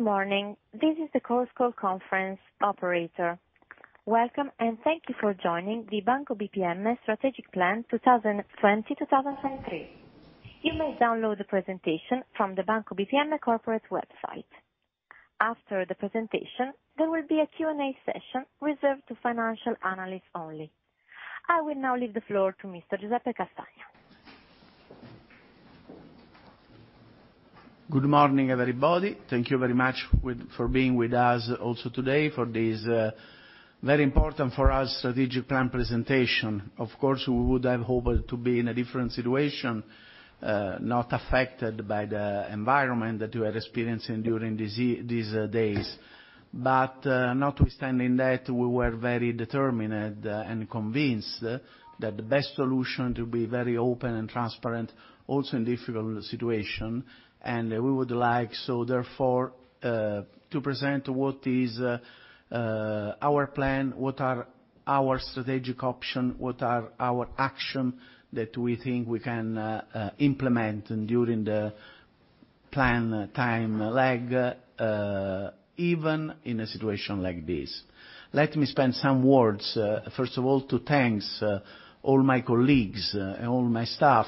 Morning. This is the conference call conference operator. Welcome. Thank you for joining the Banco BPM Strategic Plan 2020-2023. You may download the presentation from the Banco BPM corporate website. After the presentation, there will be a Q&A session reserved to financial analysts only. I will now leave the floor to Mr. Giuseppe Castagna. Good morning, everybody. Thank you very much for being with us also today for this, very important for us, strategic plan presentation. Of course, we would have hoped to be in a different situation, not affected by the environment that we are experiencing during these days. Notwithstanding that, we were very determined and convinced that the best solution to be very open and transparent also in difficult situation. We would like, therefore, to present what is our plan, what are our strategic option, what are our action that we think we can implement during the plan time lag, even in a situation like this. Let me spend some words, first of all, to thanks all my colleagues and all my staff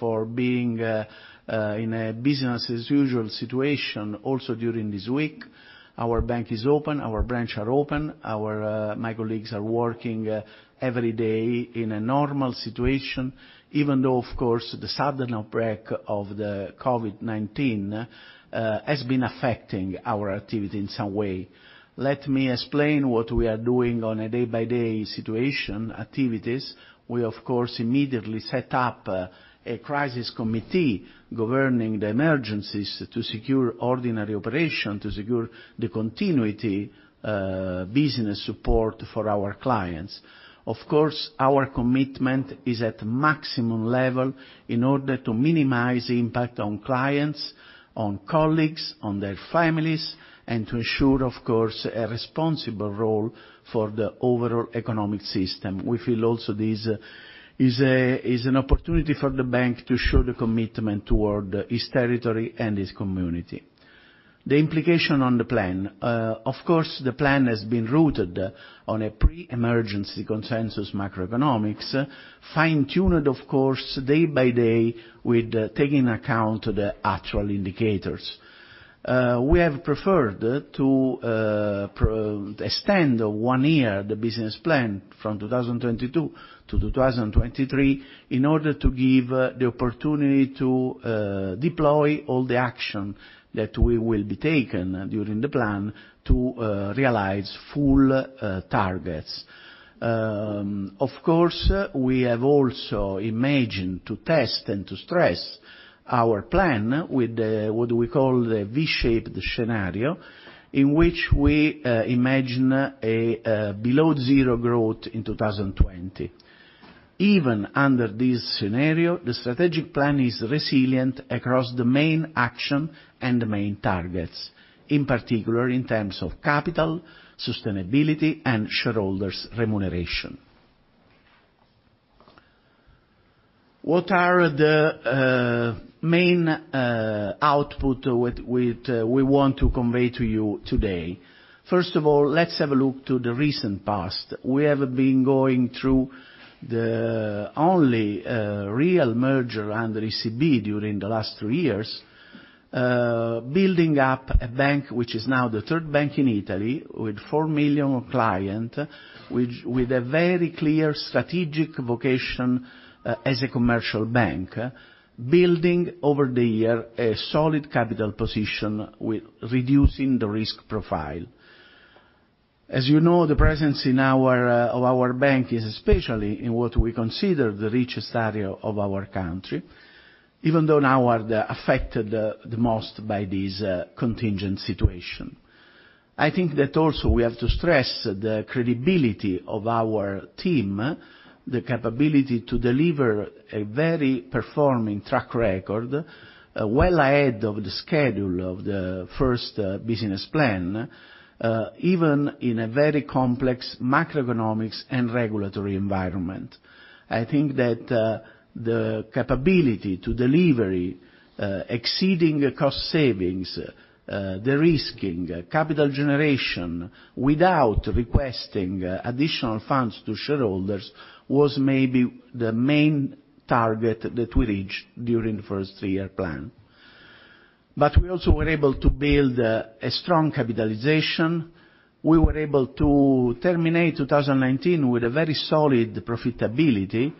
for being in a business as usual situation also during this week. Our bank is open, our branches are open, my colleagues are working every day in a normal situation, even though of course the sudden outbreak of the COVID-19 has been affecting our activity in some way. Let me explain what we are doing on a day by day situation activities. We, of course, immediately set up a crisis committee governing the emergencies to secure ordinary operations, to secure the continuity business support for our clients. Of course, our commitment is at maximum level in order to minimize impact on clients, on colleagues, on their families, and to ensure, of course, a responsible role for the overall economic system. We feel also this is an opportunity for the bank to show the commitment toward its territory and its community. The implication on the plan. Of course, the plan has been rooted on a pre-emergency consensus macroeconomics, fine-tuned, of course, day by day with taking account the actual indicators. We have preferred to extend one year the business plan from 2022 to 2023 in order to give the opportunity to deploy all the action that will be taken during the plan to realize full targets. Of course, we have also imagined to test and to stress our plan with what we call the V-shaped scenario, in which we imagine a below zero growth in 2020. Even under this scenario, the strategic plan is resilient across the main action and the main targets, in particular in terms of capital, sustainability, and shareholders remuneration. What are the main output we want to convey to you today? First of all, let's have a look to the recent past. We have been going through the only real merger under ECB during the last two years, building up a bank which is now the third bank in Italy with 4 million client, with a very clear strategic vocation as a commercial bank, building over the year a solid capital position with reducing the risk profile. As you know, the presence of our bank is especially in what we consider the richest area of our country, even though now are the affected the most by this contingent situation. I think that also we have to stress the credibility of our team, the capability to deliver a very performing track record well ahead of the schedule of the first business plan, even in a very complex macroeconomics and regulatory environment. I think that the capability to delivery exceeding cost savings, de-risking, capital generation without requesting additional funds to shareholders was maybe the main target that we reached during the first three-year plan. We also were able to build a strong capitalization. We were able to terminate 2019 with a very solid profitability,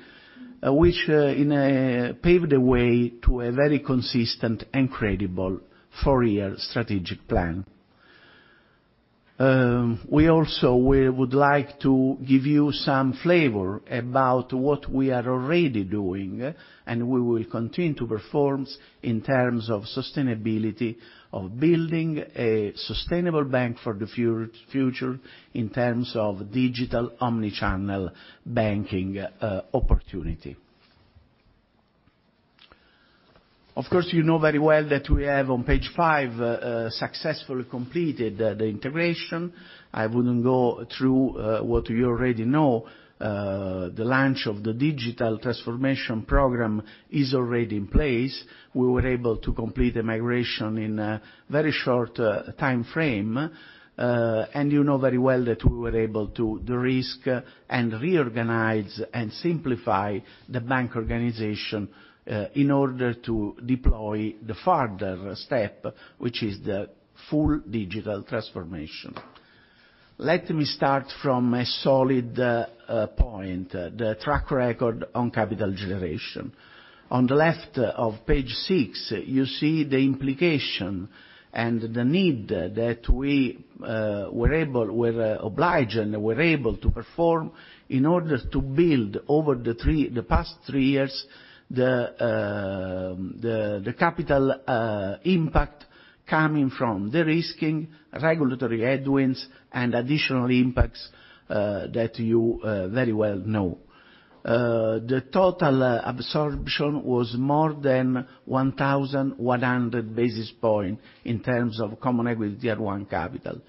which paved the way to a very consistent and credible four-year strategic plan. We also would like to give you some flavor about what we are already doing, and we will continue to perform in terms of sustainability, of building a sustainable bank for the future in terms of digital omni-channel banking opportunity. Of course, you know very well that we have on page five, successfully completed the integration. I wouldn't go through what you already know. The launch of the Digital Transformation Program is already in place. We were able to complete a migration in a very short timeframe. You know very well that we were able to de-risk, and reorganize, and simplify the bank organization in order to deploy the further step, which is the full digital transformation. Let me start from a solid point, the track record on capital generation. On the left of page six, you see the implication and the need that we were obliged and were able to perform in order to build over the past three years, the capital impact coming from de-risking, regulatory headwinds, and additional impacts that you very well know. The total absorption was more than 1,100 basis point in terms of Common Equity Tier 1 capital.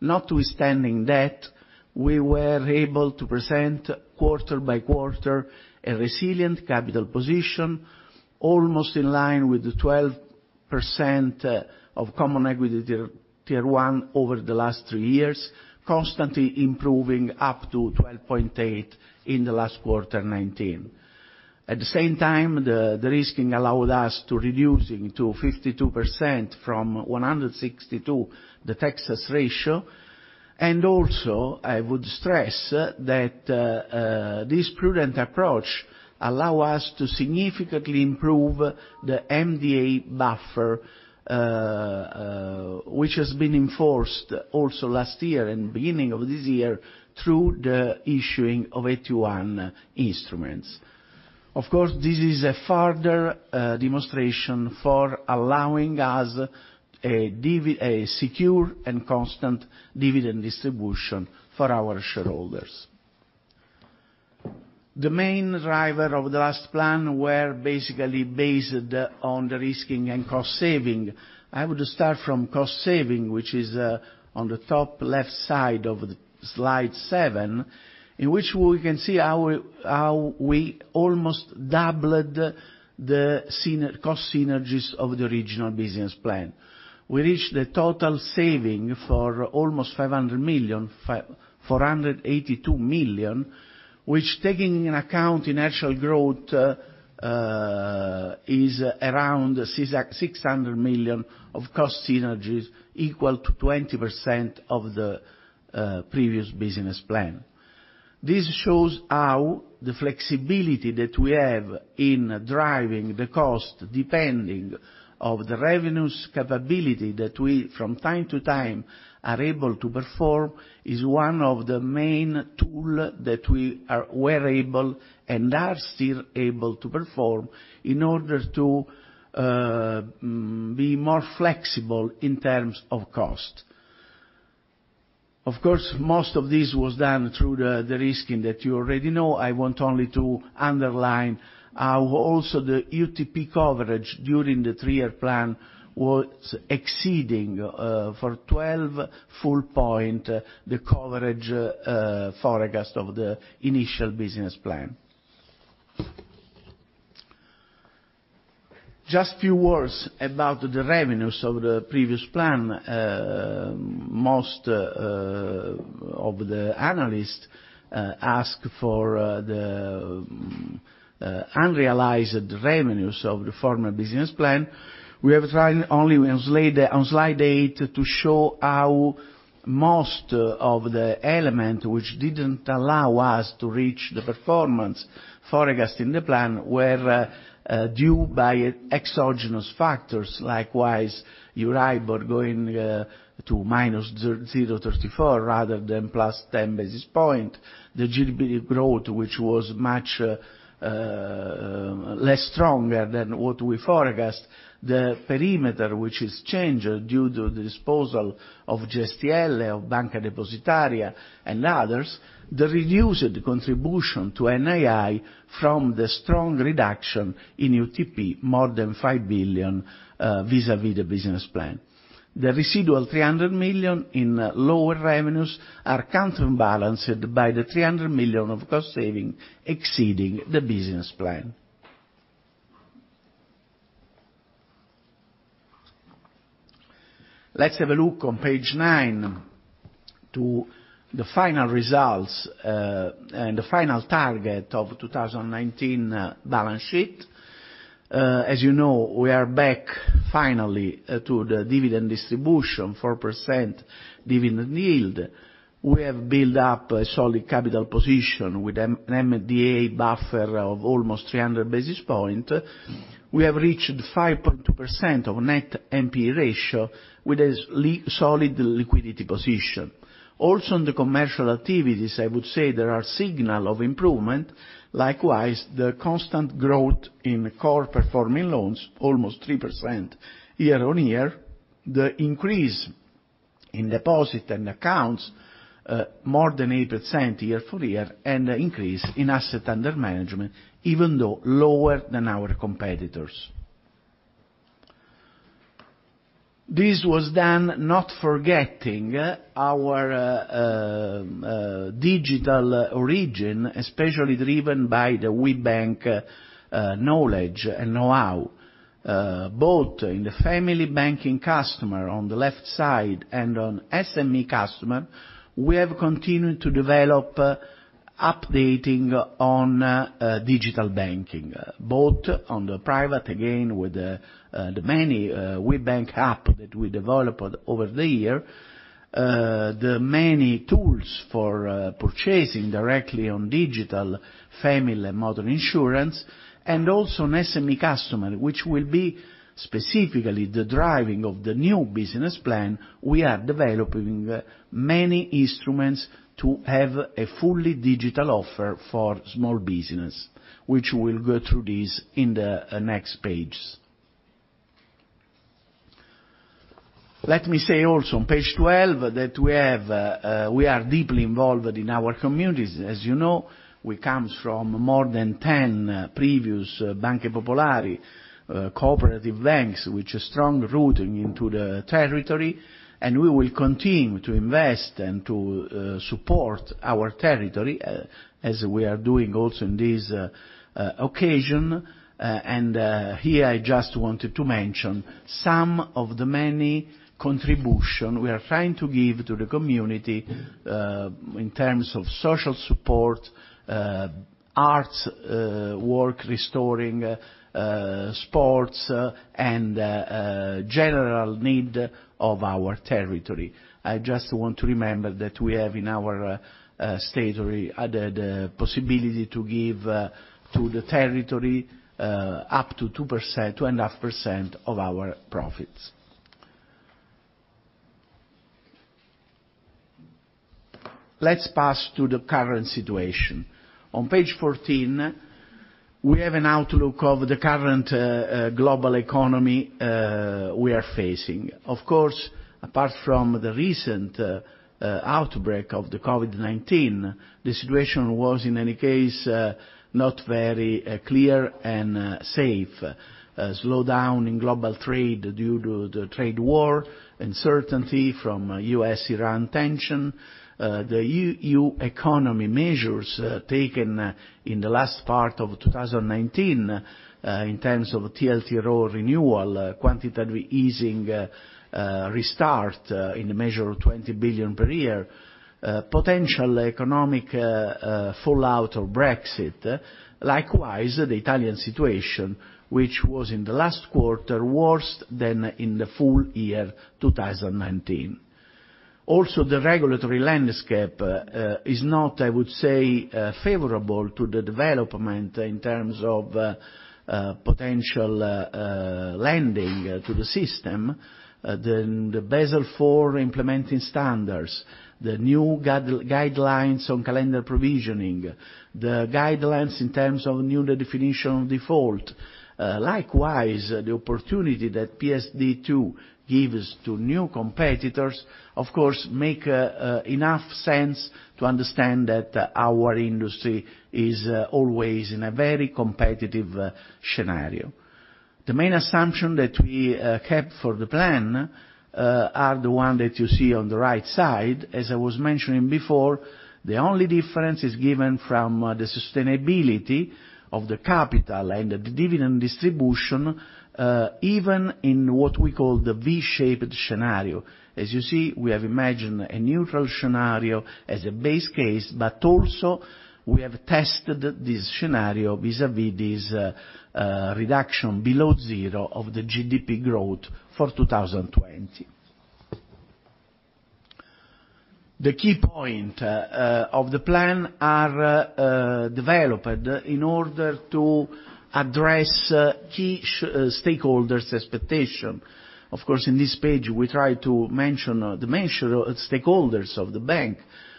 Notwithstanding that, we were able to present quarter by quarter, a resilient capital position, almost in line with the 12% of Common Equity Tier 1 over the last three years, constantly improving up to 12.8% in the last quarter 2019. At the same time, the de-risking allowed us to reducing to 52% from 162%, the Texas ratio. Also, I would stress that this prudent approach allow us to significantly improve the MDA buffer, which has been enforced also last year and beginning of this year through the issuing of AT1 instruments. Of course, this is a further demonstration for allowing us a secure and constant dividend distribution for our shareholders. The main driver of the last plan were basically based on de-risking and cost saving. I would start from cost saving, which is on the top left side of the slide seven, in which we can see how we almost doubled the cost synergies of the original business plan. We reached the total saving for almost 500 million, 482 million, which taking into account the natural growth, is around 600 million of cost synergies equal to 20% of the previous business plan. This shows how the flexibility that we have in driving the cost, depending of the revenues capability that we, from time to time, are able to perform, is one of the main tool that we were able and are still able to perform in order to be more flexible in terms of cost. Of course, most of this was done through the de-risking that you already know. I want only to underline how also the UTP coverage during the three-year plan was exceeding, for 12 full point, the coverage forecast of the initial business plan. Just few words about the revenues of the previous plan. Most of the analysts ask for the unrealized revenues of the former business plan. We have tried only on slide eight to show how most of the element, which didn't allow us to reach the performance forecast in the plan, were due by exogenous factors. Likewise, EURIBOR going to -0.34 rather than +10 basis point. The GDP growth, which was much less stronger than what we forecast. The perimeter, which has changed due to the disposal of GSTL, of Banca Depositaria, and others. The reduced contribution to NII from the strong reduction in UTP, more than 5 billion vis-à-vis the business plan. The residual 300 million in lower revenues are counterbalanced by the 300 million of cost saving exceeding the business plan. Let's have a look on page nine to the final results, and the final target of 2019 balance sheet. As you know, we are back finally to the dividend distribution, 4% dividend yield. We have built up a solid capital position with an MDA buffer of almost 300 basis point. We have reached 5.2% of net NPE ratio with a solid liquidity position. Also, on the commercial activities, I would say there are signal of improvement. Likewise, the constant growth in core performing loans, almost 3% year-on-year. The increase in deposit and accounts, more than 8% year-to-year, and an increase in asset under management, even though lower than our competitors. This was done not forgetting our digital origin, especially driven by the WeBank knowledge and know-how. Both in the family banking customer on the left side and on SME customer, we have continued to develop updating on digital banking, both on the private, again, with the many WeBank app that we developed over the year, the many tools for purchasing directly on digital family and motor insurance, and also on SME customer, which will be specifically the driving of the new business plan. We are developing many instruments to have a fully digital offer for small business, which we'll go through this in the next pages. Let me say also on page 12 that we are deeply involved in our communities. As you know, we come from more than 10 previous Banca Popolare cooperative banks, which are strongly rooted into the territory, and we will continue to invest and to support our territory as we are doing also in this occasion. Here I just wanted to mention some of the many contribution we are trying to give to the community, in terms of social support, arts work restoring, sports, and general need of our territory. I just want to remember that we have in our statutory the possibility to give to the territory up to 2.5% of our profits. Let's pass to the current situation. On page 14, we have an outlook of the current global economy we are facing. Of course, apart from the recent outbreak of the COVID-19, the situation was, in any case, not very clear and safe. A slowdown in global trade due to the trade war, uncertainty from U.S.-Iran tension, the EU economy measures taken in the last part of 2019, in terms of TLTRO renewal, quantitative easing restart in the measure of 20 billion per year, potential economic fallout of Brexit. Likewise, the Italian situation, which was in the last quarter, worse than in the full year 2019. The regulatory landscape is not, I would say, favorable to the development in terms of potential lending to the system, the Basel IV implementing standards, the new guidelines on calendar provisioning, the guidelines in terms of New Definition of Default. Likewise, the opportunity that PSD2 gives to new competitors, of course, make enough sense to understand that our industry is always in a very competitive scenario. The main assumption that we kept for the plan are the ones that you see on the right side. As I was mentioning before, the only difference is given from the sustainability of the capital and the dividend distribution, even in what we call the V-shaped scenario. As you see, we have imagined a neutral scenario as a base case, but also we have tested this scenario vis-à-vis this reduction below zero of the GDP growth for 2020. The key point of the plan are developed in order to address key stakeholders' expectation. Of course, in this page, we try to mention the major stakeholders of the bank,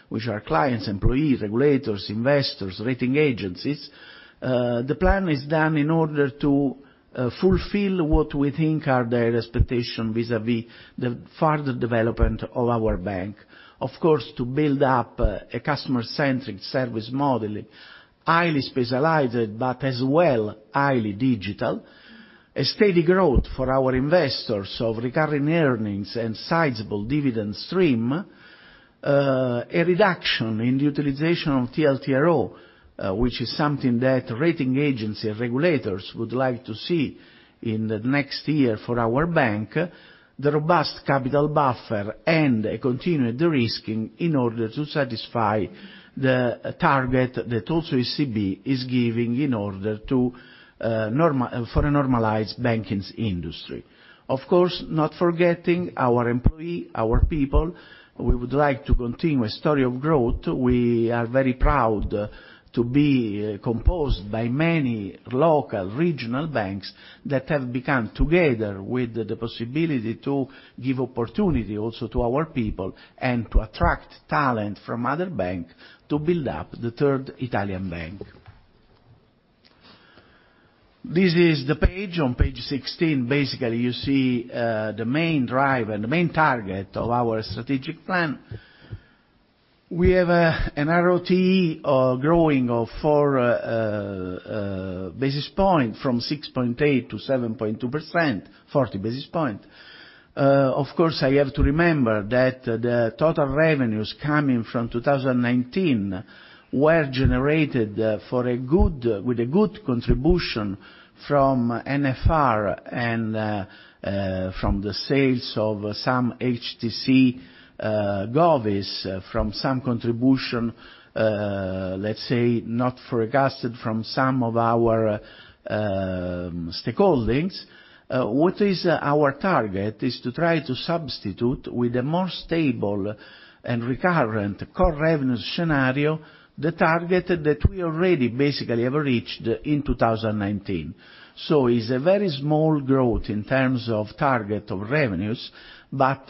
which are clients, employees, regulators, investors, rating agencies. The plan is done in order to fulfill what we think are their expectation vis-à-vis the further development of our bank. Of course, to build up a customer-centric service model, highly specialized, but as well, highly digital. A steady growth for our investors of recurring earnings and sizable dividend stream. A reduction in the utilization of TLTRO, which is something that rating agency regulators would like to see in the next year for our bank. The robust capital buffer and a continued de-risking in order to satisfy the target that also European Central Bank is giving in order for a normalized banking industry. Of course, not forgetting our employee, our people. We would like to continue a story of growth. We are very proud to be composed by many local regional banks that have become together with the possibility to give opportunity also to our people and to attract talent from other banks to build up the third Italian bank. This is the page. On page 16, basically, you see the main driver and the main target of our strategic plan. We have an ROTE growing of four basis point from 6.8% to 7.2%, 40 basis point. I have to remember that the total revenues coming from 2019 were generated with a good contribution from NFR and from the sales of some HTCS GOVs, from some contribution, let's say, not forecasted from some of our stakeholdings. What is our target is to try to substitute with a more stable and recurrent core revenues scenario, the target that we already basically have reached in 2019. It's a very small growth in terms of target of revenues, but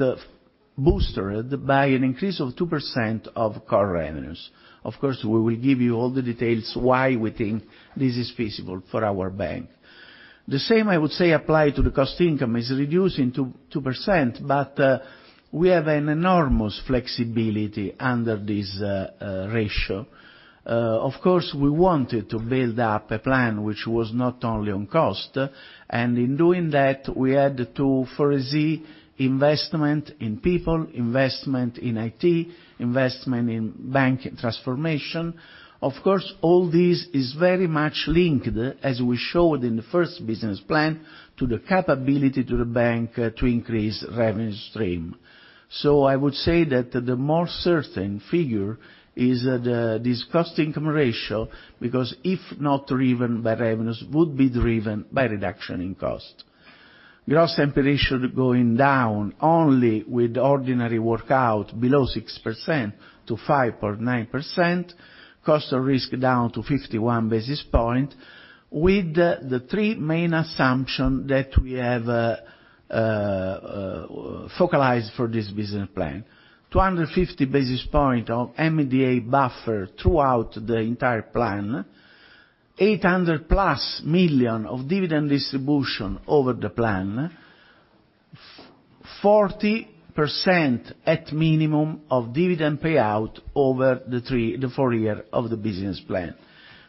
boosted by an increase of 2% of core revenues. We will give you all the details why we think this is feasible for our bank. The same, I would say, apply to the cost-income. Is reducing 2%, but we have an enormous flexibility under this ratio. Of course, we wanted to build up a plan which was not only on cost. In doing that, we had to foresee investment in people, investment in IT, investment in bank transformation. Of course, all this is very much linked, as we showed in the first business plan, to the capability to the bank to increase revenue stream. I would say that the more certain figure is this cost-income ratio, because if not driven by revenues, would be driven by reduction in cost. Gross NPL ratio going down only with ordinary workout below 6% to 5.9%. Cost of risk down to 51 basis point with the three main assumption that we have focalized for this business plan. 250 basis point of MDA buffer throughout the entire plan, 800 million+ of dividend distribution over the plan, 40% at minimum of dividend payout over the four year of the business plan.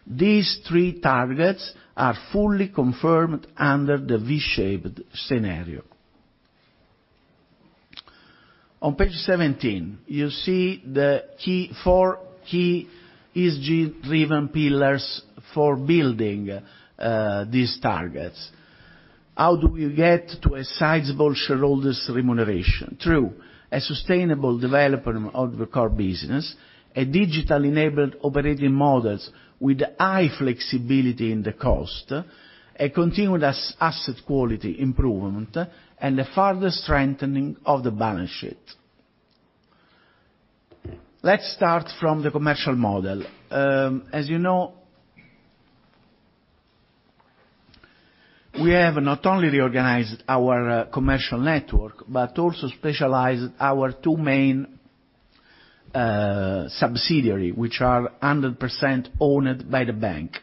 These three targets are fully confirmed under the V-shaped scenario. On page 17, you see the four key ESG-driven pillars for building these targets. How do we get to a sizable shareholders remuneration? Through a sustainable development of the core business, a digital-enabled operating models with high flexibility in the cost, a continuous asset quality improvement, and a further strengthening of the balance sheet. Let's start from the commercial model. As you know, we have not only reorganized our commercial network, but also specialized our two main subsidiary, which are 100% owned by the bank.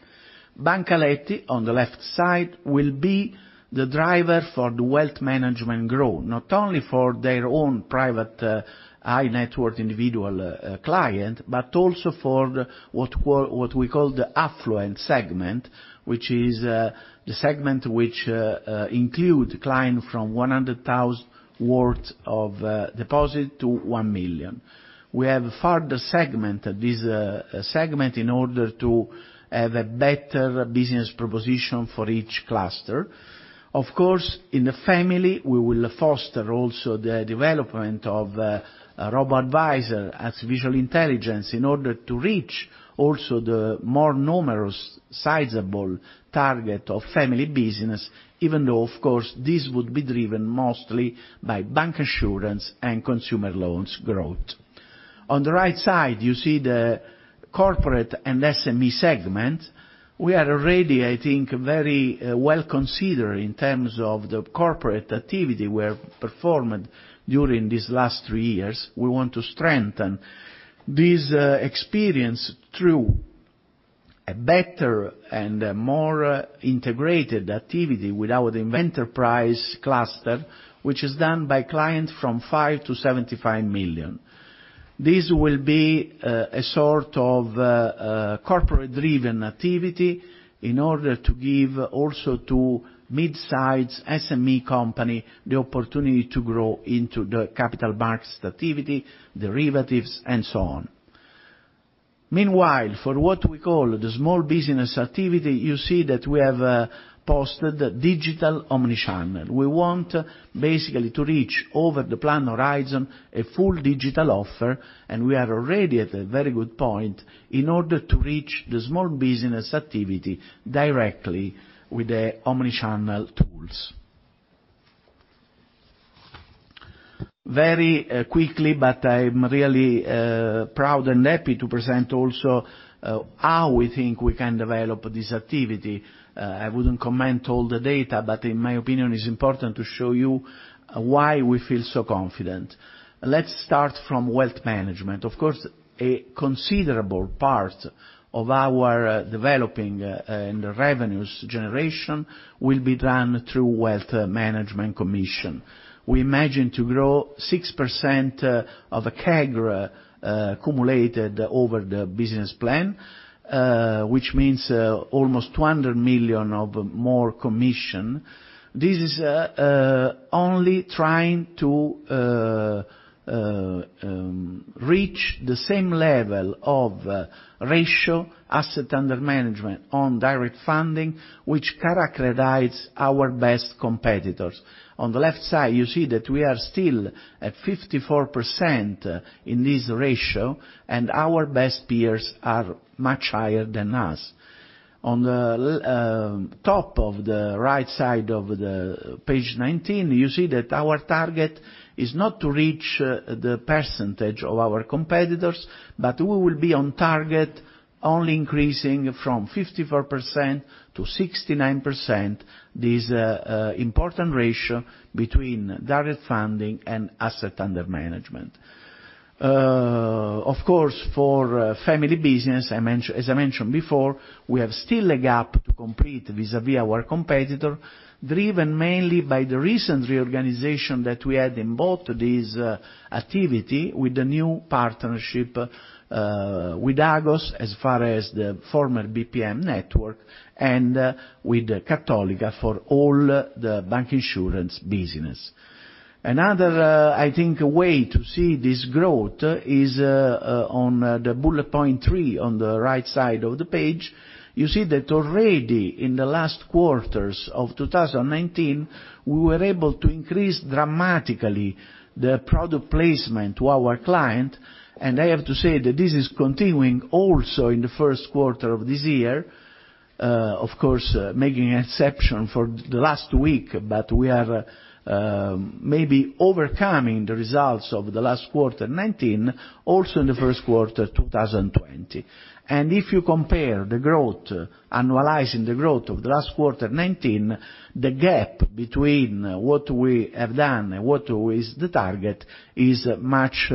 Banca Aletti, on the left side, will be the driver for the wealth management growth, not only for their own private high-net-worth individual client, but also for what we call the affluent segment, which is the segment which include client from 100,000 worth of deposit to 1 million. We have further segmented this segment in order to have a better business proposition for each cluster. Of course, in the family, we will foster also the development of robo-advisor, artificial intelligence, in order to reach also the more numerous sizable target of family business, even though, of course, this would be driven mostly by bancassurance and consumer loans growth. On the right side, you see the corporate and SME segment. We are already, I think, very well considered in terms of the corporate activity were performed during these last three years. We want to strengthen this experience through a better and a more integrated activity with our enterprise cluster, which is done by clients from 5 million-75 million. This will be a sort of corporate-driven activity in order to give also to mid-size SME company the opportunity to grow into the capital markets activity, derivatives, and so on. Meanwhile, for what we call the small business activity, you see that we have posted digital omni-channel. We want basically to reach over the plan horizon a full digital offer, and we are already at a very good point in order to reach the small business activity directly with the omni-channel tools. Very quickly, but I'm really proud and happy to present also how we think we can develop this activity. I wouldn't comment all the data, but in my opinion, it's important to show you why we feel so confident. Let's start from wealth management. Of course, a considerable part of our developing and revenues generation will be done through wealth management commission. We imagine to grow 6% of a CAGR accumulated over the business plan, which means almost 200 million of more commission. This is only trying to reach the same level of ratio, asset under management on direct funding, which characterize our best competitors. On the left side, you see that we are still at 54% in this ratio, and our best peers are much higher than us. On the top of the right side of the page 19, you see that our target is not to reach the percentage of our competitors, but we will be on target only increasing from 54% to 69%. This important ratio between direct funding and asset under management. Of course, for family business, as I mentioned before, we have still a gap to complete vis-à-vis our competitor, driven mainly by the recent reorganization that we had in both these activity with the new partnership with Agos, as far as the former BPM network, and with Cattolica for all the bank insurance business. Another way to see this growth is on the bullet point three on the right side of the page. You see that already in the last quarters of 2019, we were able to increase dramatically the product placement to our client. I have to say that this is continuing also in the first quarter of this year, of course, making exception for the last week, but we are maybe overcoming the results of the last quarter 2019, also in the first quarter 2020. If you compare the growth, annualizing the growth of the last quarter 19, the gap between what we have done and what is the target is much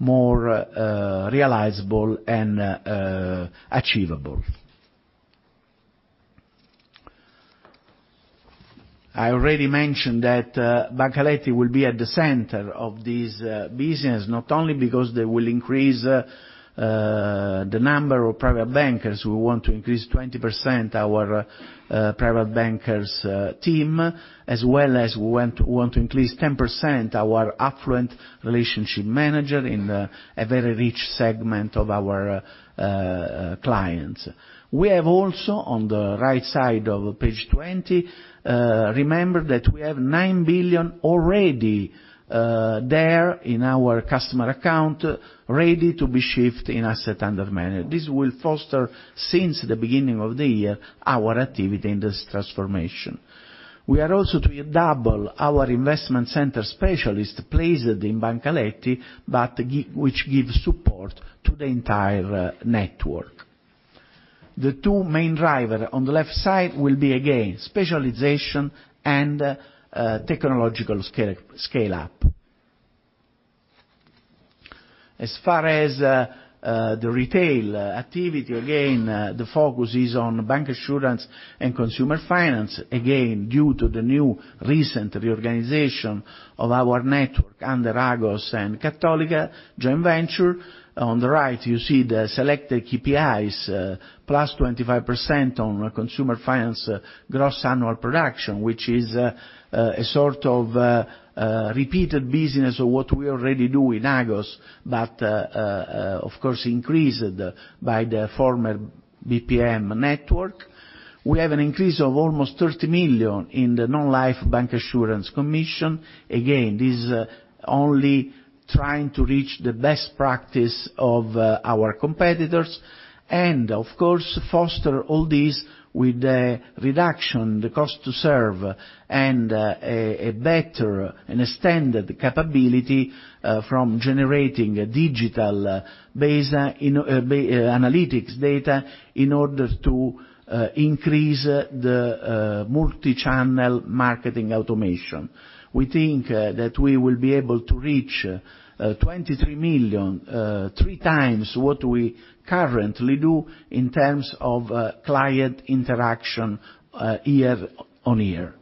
more realizable and achievable. I already mentioned that Banca Aletti will be at the center of this business, not only because they will increase the number of private bankers. We want to increase 20% our private bankers team, as well as we want to increase 10% our affluent relationship manager in a very rich segment of our clients. We have also, on the right side of page 20, remember that we have 9 billion already there in our customer account ready to be shifted in asset under management. This will foster, since the beginning of the year, our activity in this transformation. We are also to double our investment center specialist placed in Banca Aletti, which gives support to the entire network. The two main driver on the left side will be, again, specialization and technological scale up. As far as the retail activity, again, the focus is on bank assurance and consumer finance, again, due to the new recent reorganization of our network under Agos and Cattolica joint venture. On the right, you see the selected KPIs, +25% on consumer finance gross annual production, which is a sort of repeated business of what we already do in Agos, of course, increased by the former BPM network. We have an increase of almost 30 million in the non-life bank assurance commission. Again, this is only trying to reach the best practice of our competitors and, of course, foster all this with the reduction, the cost to serve, and a better and extended capability from generating digital-based analytics data in order to increase the multi-channel marketing automation. We think that we will be able to reach 23 million, 3x what we currently do in terms of client interaction year-on-year.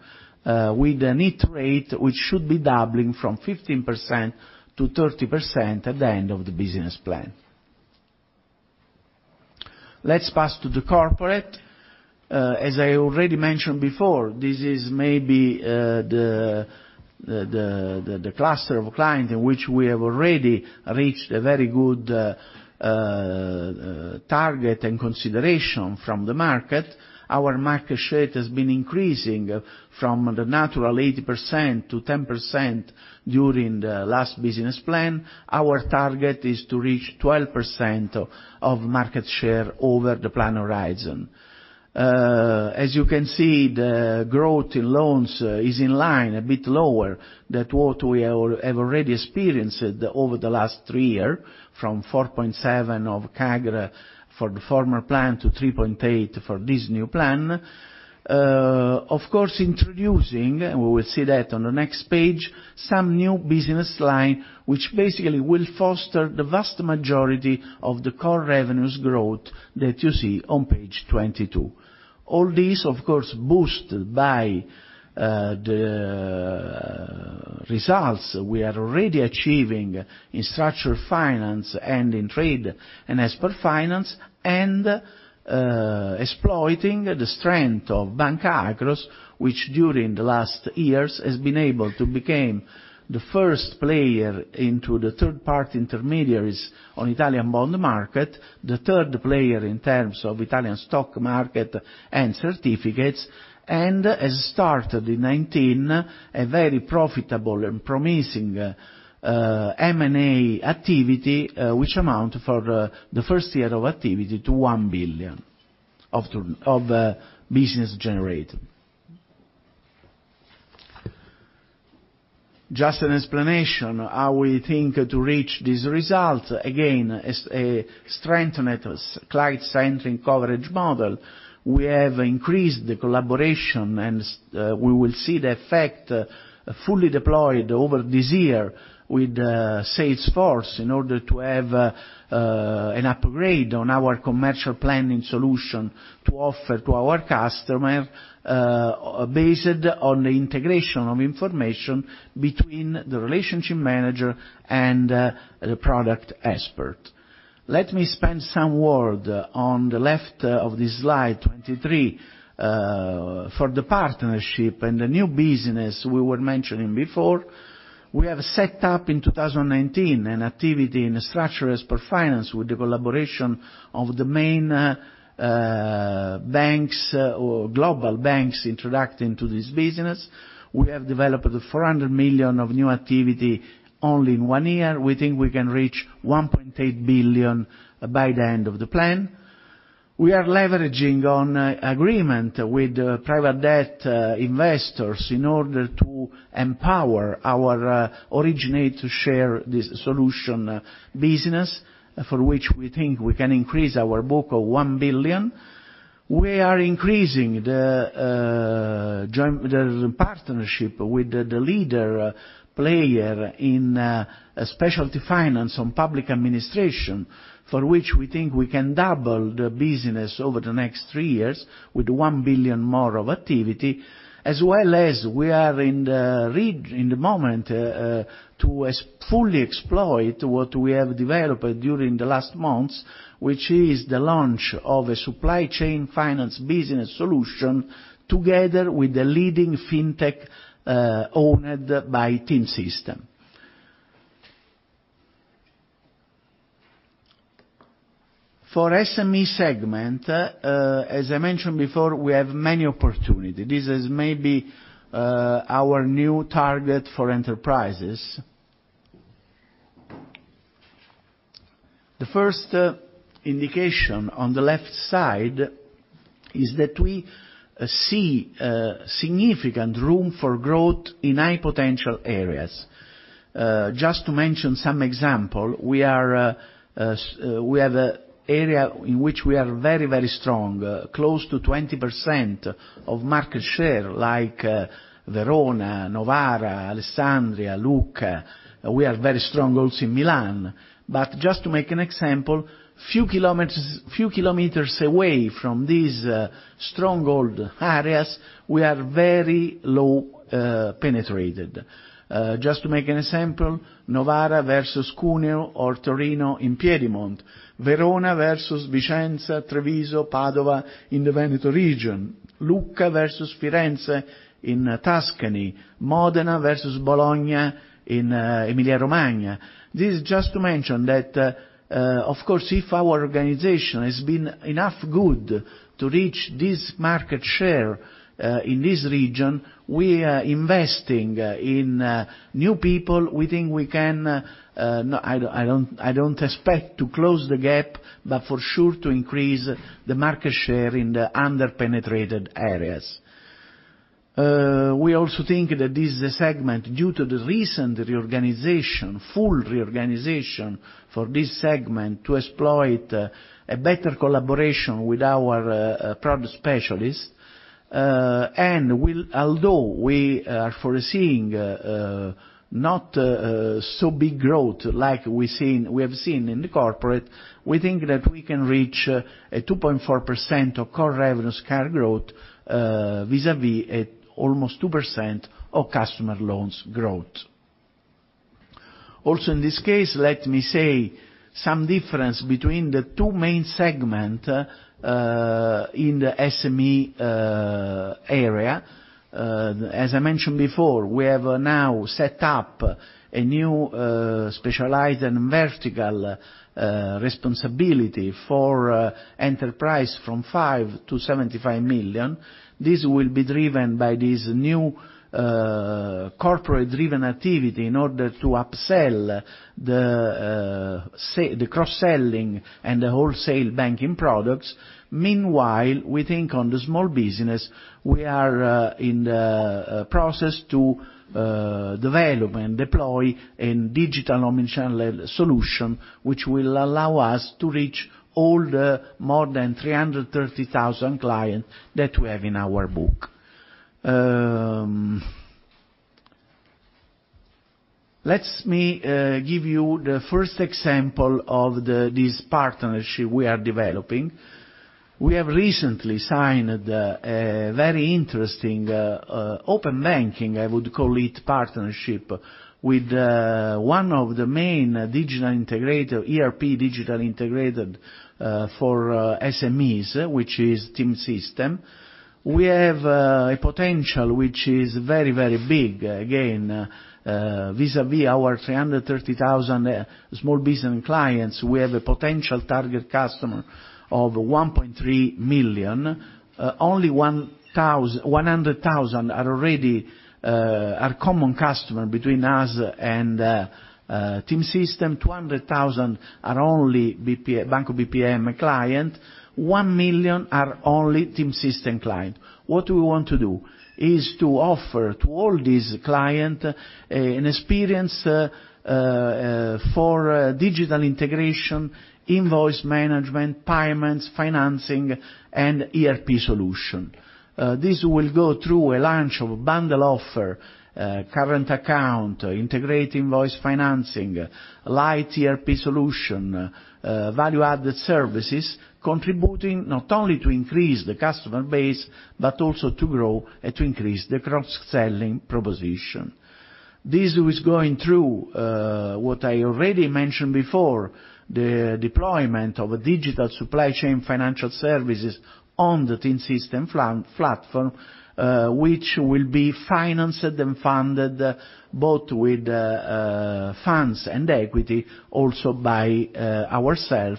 With a net rate, which should be doubling from 15% to 30% at the end of the business plan. Let's pass to the corporate. As I already mentioned before, this is maybe the cluster of client in which we have already reached a very good target and consideration from the market. Our market share has been increasing from the natural 8% to 10% during the last business plan. Our target is to reach 12% of market share over the plan horizon. As you can see, the growth in loans is in line, a bit lower than what we have already experienced over the last three years, from 4.7 of CAGR for the former plan to 3.8 for this new plan. Of course, introducing, and we will see that on the next page, some new business line, which basically will foster the vast majority of the core revenues growth that you see on page 22. All this, of course, boosted by the results we are already achieving in structural finance and in trade and export finance, and exploiting the strength of Banca Akros, which during the last years has been able to become the first player into the third-party intermediaries on Italian bond market, the third player in terms of Italian stock market and certificates, and has started in 2019, a very profitable and promising M&A activity, which amount for the first year of activity to 1 billion of business generated. Just an explanation how we think to reach this result. Again, a strengthened client-centric coverage model. We have increased the collaboration, and we will see the effect fully deployed over this year with Salesforce in order to have an upgrade on our commercial planning solution to offer to our customer based on the integration of information between the relationship manager and the product expert. Let me spend some word on the left of this slide 23 for the partnership and the new business we were mentioning before. We have set up in 2019 an activity in structured expert finance with the collaboration of the main banks or global banks introduced into this business. We have developed 400 million of new activity only in one year. We think we can reach 1.8 billion by the end of the plan. We are leveraging on agreement with private debt investors in order to empower our originate to share this solution business, for which we think we can increase our book of 1 billion. We are increasing the partnership with the leader player in specialty finance on public administration, for which we think we can double the business over the next three years with 1 billion more of activity, as well as we are in the moment to fully exploit what we have developed during the last months, which is the launch of a supply chain finance business solution, together with the leading fintech owned by TeamSystem. For SME segment, as I mentioned before, we have many opportunities. This is maybe our new target for enterprises. The first indication on the left side is that we see significant room for growth in high potential areas. Just to mention some example, we have area in which we are very strong, close to 20% of market share, like Verona, Novara, Alessandria, Lucca. We are very strong also in Milan. Just to make an example, few kilometers away from these stronghold areas, we are very low penetrated. Just to make an example, Novara versus Cuneo or Torino in Piedmont, Verona versus Vicenza, Treviso, Padova in the Veneto region, Lucca versus Firenze in Tuscany, Modena versus Bologna in Emilia-Romagna. This is just to mention that, of course, if our organization has been enough good to reach this market share in this region, we are investing in new people. I don't expect to close the gap, but for sure to increase the market share in the under-penetrated areas. We also think that this segment, due to the recent reorganization, full reorganization for this segment to exploit a better collaboration with our product specialists. Although we are foreseeing not so big growth like we have seen in the corporate, we think that we can reach a 2.4% of core revenues CAGR growth vis-à-vis almost 2% of customer loans growth. In this case, let me say some difference between the two main segments in the SME area. As I mentioned before, we have now set up a new specialized and vertical responsibility for enterprise from 5 million to 75 million. This will be driven by this new corporate-driven activity in order to upsell the cross-selling and the wholesale banking products. Meanwhile, we think on the small business, we are in the process to develop and deploy a digital omnichannel solution, which will allow us to reach all the more than 330,000 clients that we have in our book. Let me give you the first example of this partnership we are developing. We have recently signed a very interesting open banking, I would call it partnership, with one of the main digital integrator, ERP digital integrated for SMEs, which is TeamSystem. We have a potential, which is very, very big. Again, vis-à-vis our 330,000 small business clients, we have a potential target customer of 1.3 million. Only 100,000 are common customer between us and TeamSystem. 200,000 are only Banco BPM client. 1 million are only TeamSystem client. What we want to do is to offer to all these client an experience for digital integration, invoice management, payments, financing, and ERP solution. This will go through a launch of bundle offer, current account, integrate invoice financing, light ERP solution, value-added services, contributing not only to increase the customer base, but also to grow and to increase the cross-selling proposition. This is going through what I already mentioned before, the deployment of a digital supply chain financial services on the TeamSystem platform, which will be financed and funded both with funds and equity, also by ourself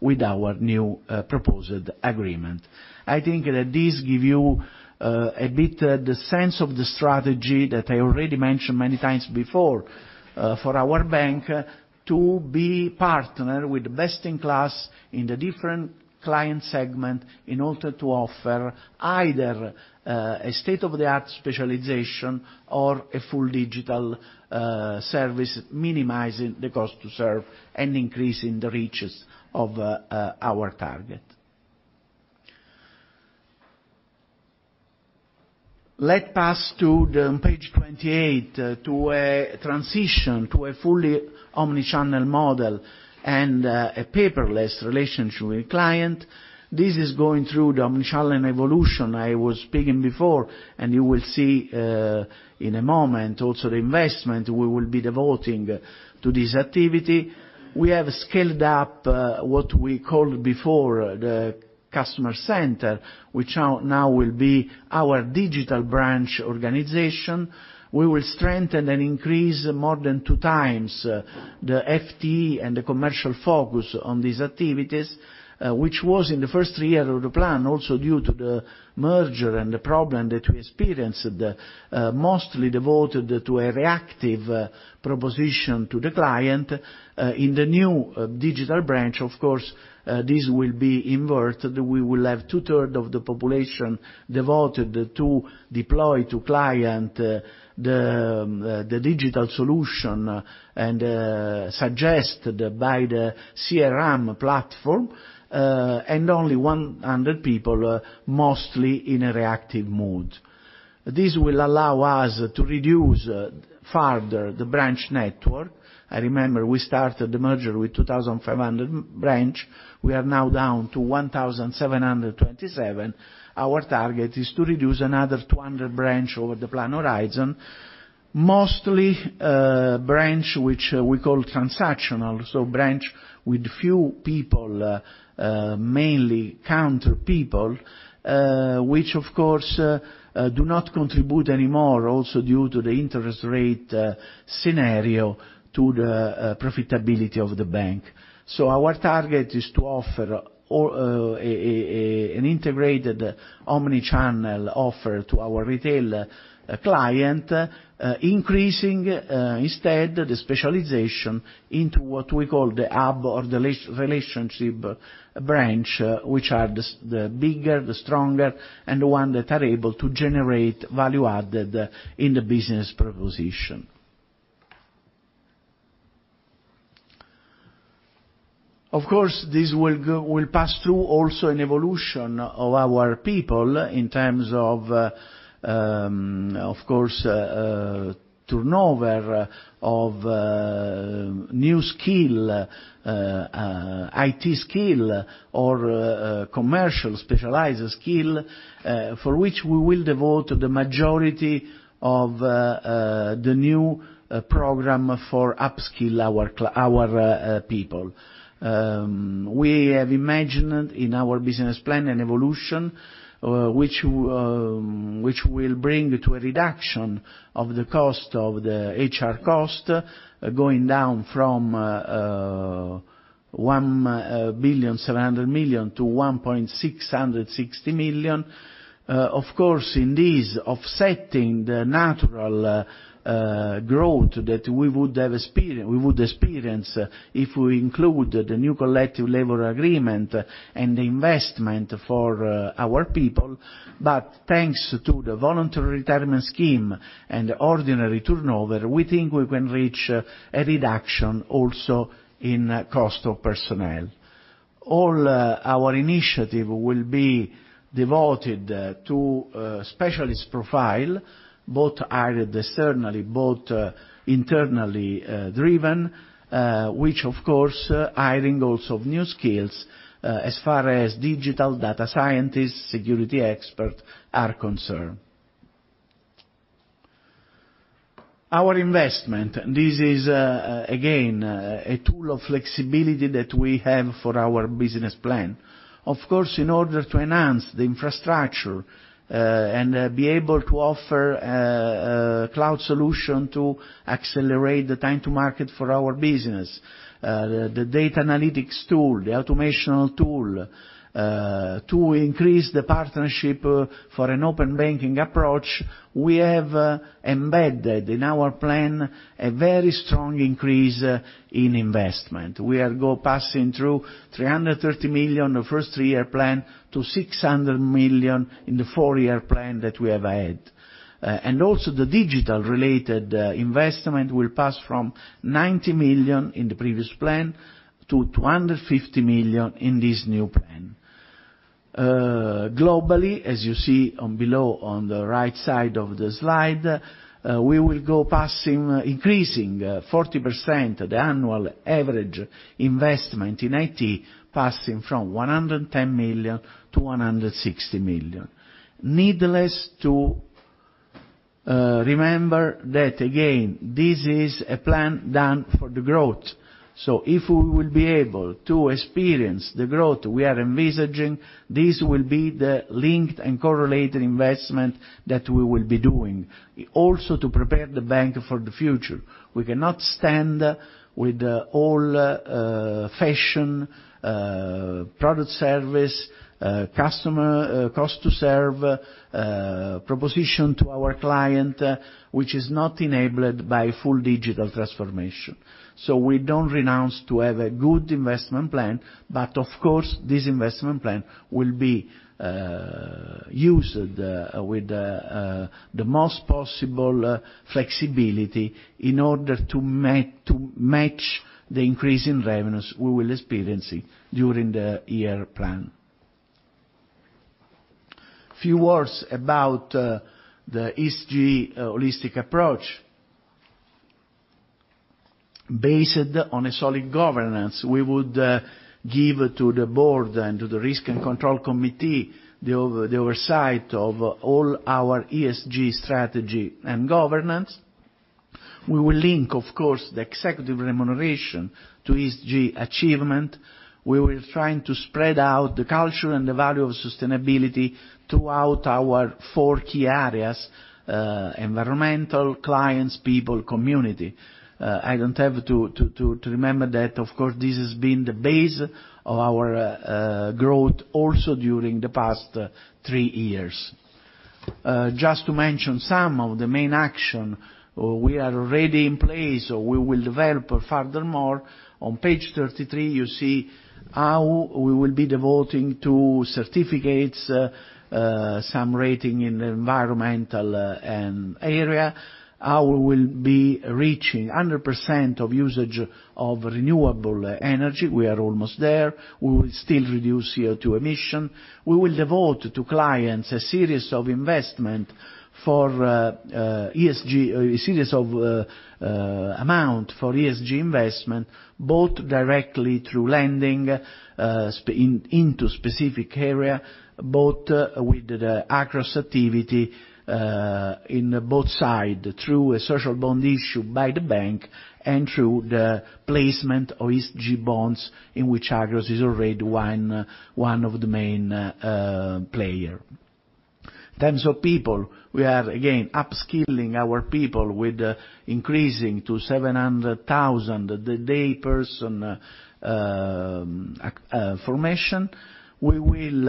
with our new proposed agreement. I think that this give you a bit the sense of the strategy that I already mentioned many times before, for our bank to be partner with best in class in the different client segment in order to offer either a state-of-the-art specialization or a full digital service, minimizing the cost to serve and increasing the reaches of our target. Let pass to the page 28, to a transition to a fully omni-channel model and a paperless relationship with client. You will see in a moment also the investment we will be devoting to this activity. We have scaled up what we called before the customer center, which now will be our digital branch organization. We will strengthen and increase more than 2x the FT and the commercial focus on these activities, which was in the first three years of the plan, also due to the merger and the problem that we experienced, mostly devoted to a reactive proposition to the client. In the new digital branch, of course, this will be inverted. We will have 2/3 of the population devoted to deploy to client the digital solution and suggested by the CRM platform, and only 100 people, mostly in a reactive mode. This will allow us to reduce further the branch network. I remember we started the merger with 2,500 branch. We are now down to 1,727. Our target is to reduce another 200 branch over the plan horizon. Mostly branch which we call transactional, branch with few people, mainly counter people, which of course, do not contribute anymore also due to the interest rate scenario to the profitability of the bank. Our target is to offer an integrated omni-channel offer to our retail client, increasing, instead, the specialization into what we call the hub or the relationship branch, which are the bigger, the stronger, and the one that are able to generate value added in the business proposition. Of course, this will pass through also an evolution of our people in terms of course, turnover of new skill, IT skill, or commercial specialized skill, for which we will devote the majority of the new program for upskill our people. We have imagined in our business plan an evolution which will bring to a reduction of the cost of the HR cost, going down from 1.7 billion to 1.66 billion. Of course, in this offsetting the natural growth that we would experience if we include the new collective labor agreement and the investment for our people. Thanks to the voluntary retirement scheme and ordinary turnover, we think we can reach a reduction also in cost of personnel. All our initiative will be devoted to a specialist profile, both hired externally, both internally driven, which, of course, hiring also new skills as far as digital data scientists, security expert are concerned. Our investment, this is again, a tool of flexibility that we have for our business plan. Of course, in order to enhance the infrastructure and be able to offer a cloud solution to accelerate the time to market for our business, the data analytics tool, the automation tool, to increase the partnership for an open banking approach, we have embedded in our plan a very strong increase in investment. We are passing through 330 million, the first three-year plan, to 600 million in the four-year plan that we have ahead. Also, the digital related investment will pass from 90 million in the previous plan to 250 million in this new plan. Globally, as you see below on the right side of the slide, we will go increasing 40% the annual average investment in IT, passing from 110 million to 160 million. Needless to remember that again, this is a plan done for the growth. If we will be able to experience the growth we are envisaging, this will be the linked and correlated investment that we will be doing. Also to prepare the bank for the future. We cannot stand with old fashion, product service, customer cost to serve, proposition to our client, which is not enabled by full digital transformation. We don't renounce to have a good investment plan, but of course, this investment plan will be used with the most possible flexibility in order to match the increase in revenues we will experience during the year plan. Few words about the ESG holistic approach. Based on a solid governance, we would give to the board and to the risk and control committee the oversight of all our ESG strategy and governance. We will link, of course, the executive remuneration to ESG achievement. We will trying to spread out the culture and the value of sustainability throughout our four key areas, environmental, clients, people, community. I don't have to remember that, of course, this has been the base of our growth also during the past three years. Just to mention some of the main action we are already in place, we will develop furthermore. On page 33, you see how we will be devoting to certificates, some rating in the environmental area, how we will be reaching 100% of usage of renewable energy. We are almost there. We will still reduce CO2 emission. We will devote to clients a series of amount for ESG investment, both directly through lending into specific area, both with the Akros activity, in both side, through a social bond issue by the bank and through the placement of ESG bonds, in which Agos is already one of the main player. In terms of people, we are again upskilling our people with increasing to 700,000 the day person formation. We will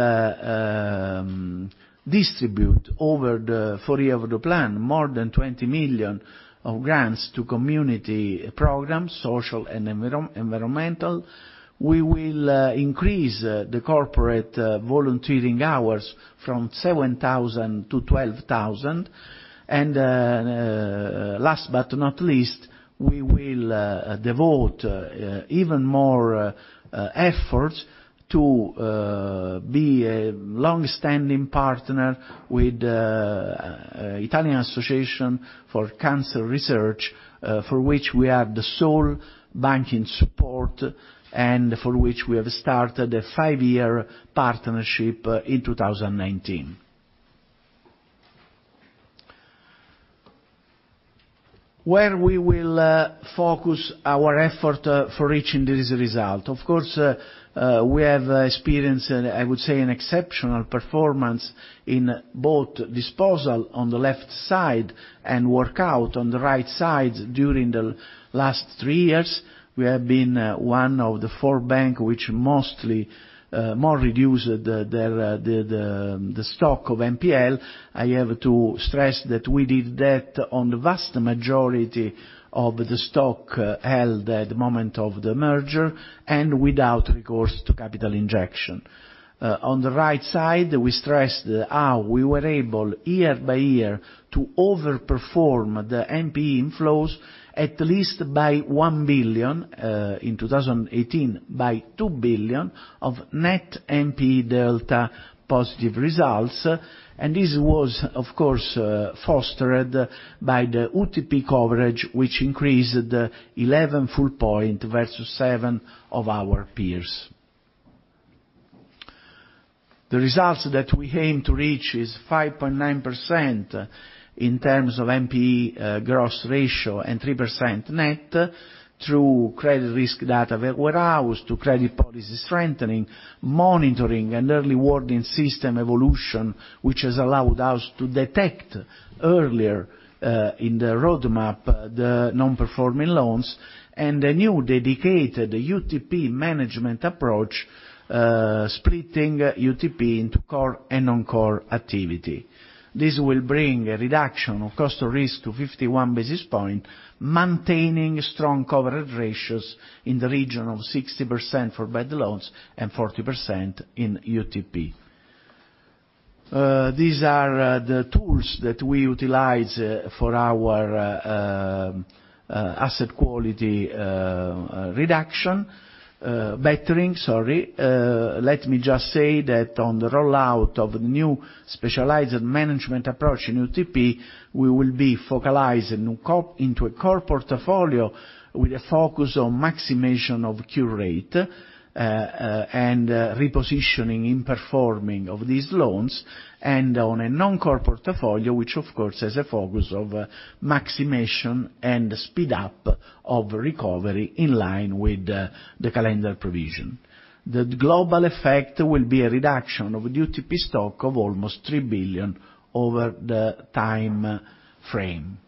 distribute over the four-year of the plan, more than 20 million of grants to community programs, social and environmental. We will increase the corporate volunteering hours from 7,000 to 12,000. Last but not least, we will devote even more efforts to be a long-standing partner with Italian Association for Cancer Research, for which we are the sole banking support and for which we have started a five-year partnership in 2019. Where we will focus our effort for reaching this result? Of course, we have experienced, I would say, an exceptional performance in both disposal on the left side and work out on the right side during the last three years. We have been one of the four bank which mostly more reduced the stock of NPL. I have to stress that we did that on the vast majority of the stock held at the moment of the merger and without recourse to capital injection. On the right side, we stressed how we were able, year by year, to overperform the NPE inflows at least by 1 billion, in 2018 by 2 billion of net NPE delta positive results. This was, of course, fostered by the UTP coverage, which increased 11 full point versus 7 of our peers. The results that we aim to reach is 5.9% in terms of NPE gross ratio and 3% net through credit risk data warehouse, through credit policy strengthening, monitoring, and early warning system evolution, which has allowed us to detect earlier in the roadmap the non-performing loans and the new dedicated UTP management approach, splitting UTP into core and non-core activity. This will bring a reduction of cost of risk to 51 basis points, maintaining strong coverage ratios in the region of 60% for bad loans and 40% in UTP. These are the tools that we utilize for our asset quality bettering. Let me just say that on the rollout of new specialized management approach in UTP, we will be focalizing into a core portfolio with a focus on maximization of cure rate, and repositioning in performing of these loans, and on a non-core portfolio, which, of course, has a focus of maximization and speed up of recovery in line with the calendar provisioning. The global effect will be a reduction of UTP stock of almost 3 billion over the time frame.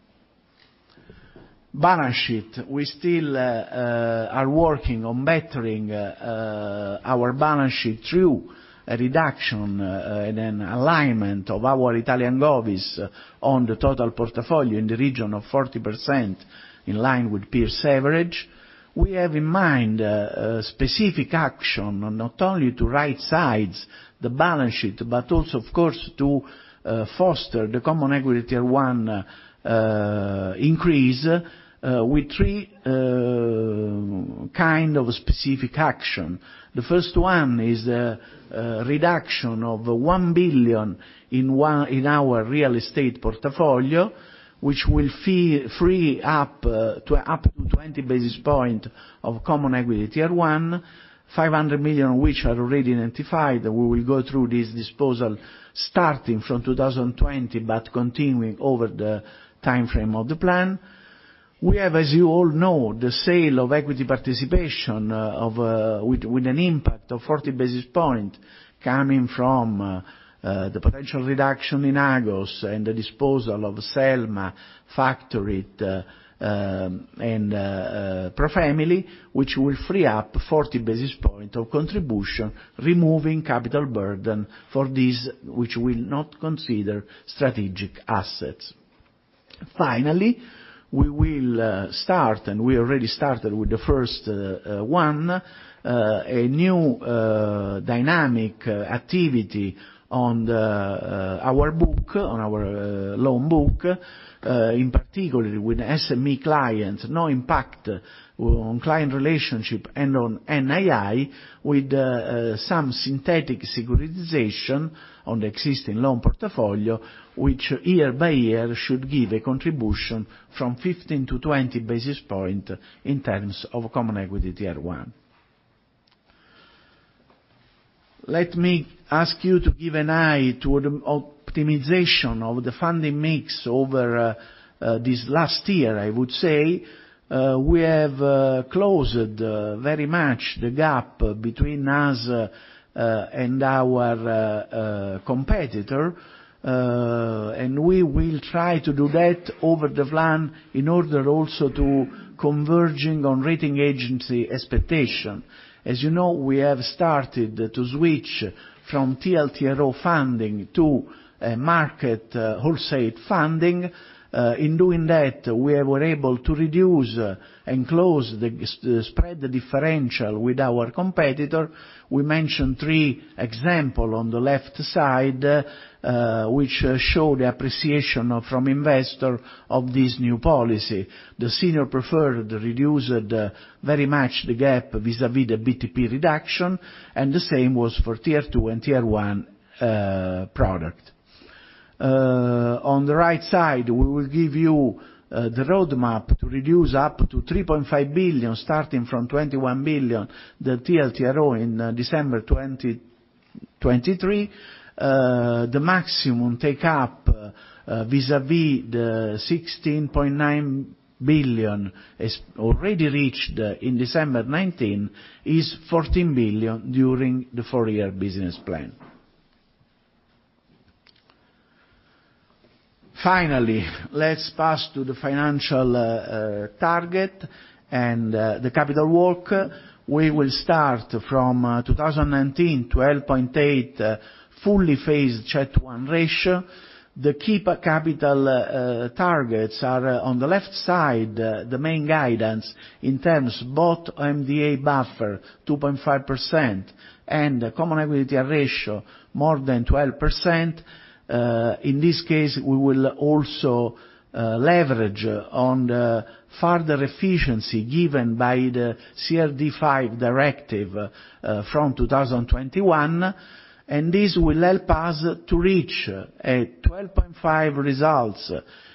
Balance sheet. We still are working on bettering our balance sheet through a reduction and an alignment of our Italian govies on the total portfolio in the region of 40%, in line with peers average. We have in mind a specific action on not only to right size the balance sheet, but also, of course, to foster the Common Equity Tier 1 increase with three kind of specific action. The first one is a reduction of 1 billion in our real estate portfolio, which will free up to 20 basis points of Common Equity Tier 1, 500 million which are already identified. We will go through this disposal starting from 2020, but continuing over the time frame of the plan. We have, as you all know, the sale of equity participation with an impact of 40 basis points coming from the potential reduction in Agos and the disposal of SelmaBipiemme Leasing S.p.A. and ProFamily, which will free up 40 basis points of contribution, removing capital burden for these which we will not consider strategic assets. Finally, we will start, and we already started with the first one, a new dynamic activity on our loan book, in particular with SME clients, no impact on client relationship and on NII with some synthetic securitization on the existing loan portfolio, which year by year should give a contribution from 15-20 basis points in terms of Common Equity Tier 1. Let me ask you to give an eye to the optimization of the funding mix over this last year, I would say. We have closed very much the gap between us and our competitor. We will try to do that over the plan in order also to converging on rating agency expectation. As you know, we have started to switch from TLTRO funding to a market wholesale funding. In doing that, we were able to reduce and close the spread differential with our competitor. We mentioned three examples on the left side, which show the appreciation from investors of this new policy. The senior preferred reduced very much the gap vis-à-vis the BTP reduction. The same was for Tier 2 and Tier 1 products. On the right side, we will give you the roadmap to reduce up to 3.5 billion, starting from 21 billion, the TLTRO in December 2023. The maximum take up vis-à-vis the 16.9 billion is already reached in December 2019, is 14 billion during the four-year business plan. Finally, let's pass to the financial target and the capital work. We will start from 2019, 12.8% fully phased CET1 ratio. The key capital targets are on the left side, the main guidance in terms both MDA buffer 2.5% and common equity ratio more than 12%. In this case, we will also leverage on the further efficiency given by the CRD V directive from 2021. This will help us to reach a 12.5 results